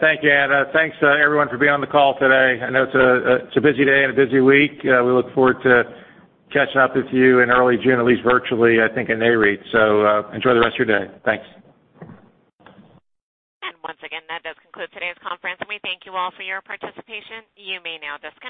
Thank you, Anna. Thanks to everyone for being on the call today. I know it's a busy day and a busy week. We look forward to catching up with you in early June, at least virtually, I think, at NAREIT. Enjoy the rest of your day. Thanks. Once again, that does conclude today's conference, and we thank you all for your participation. You may now disconnect.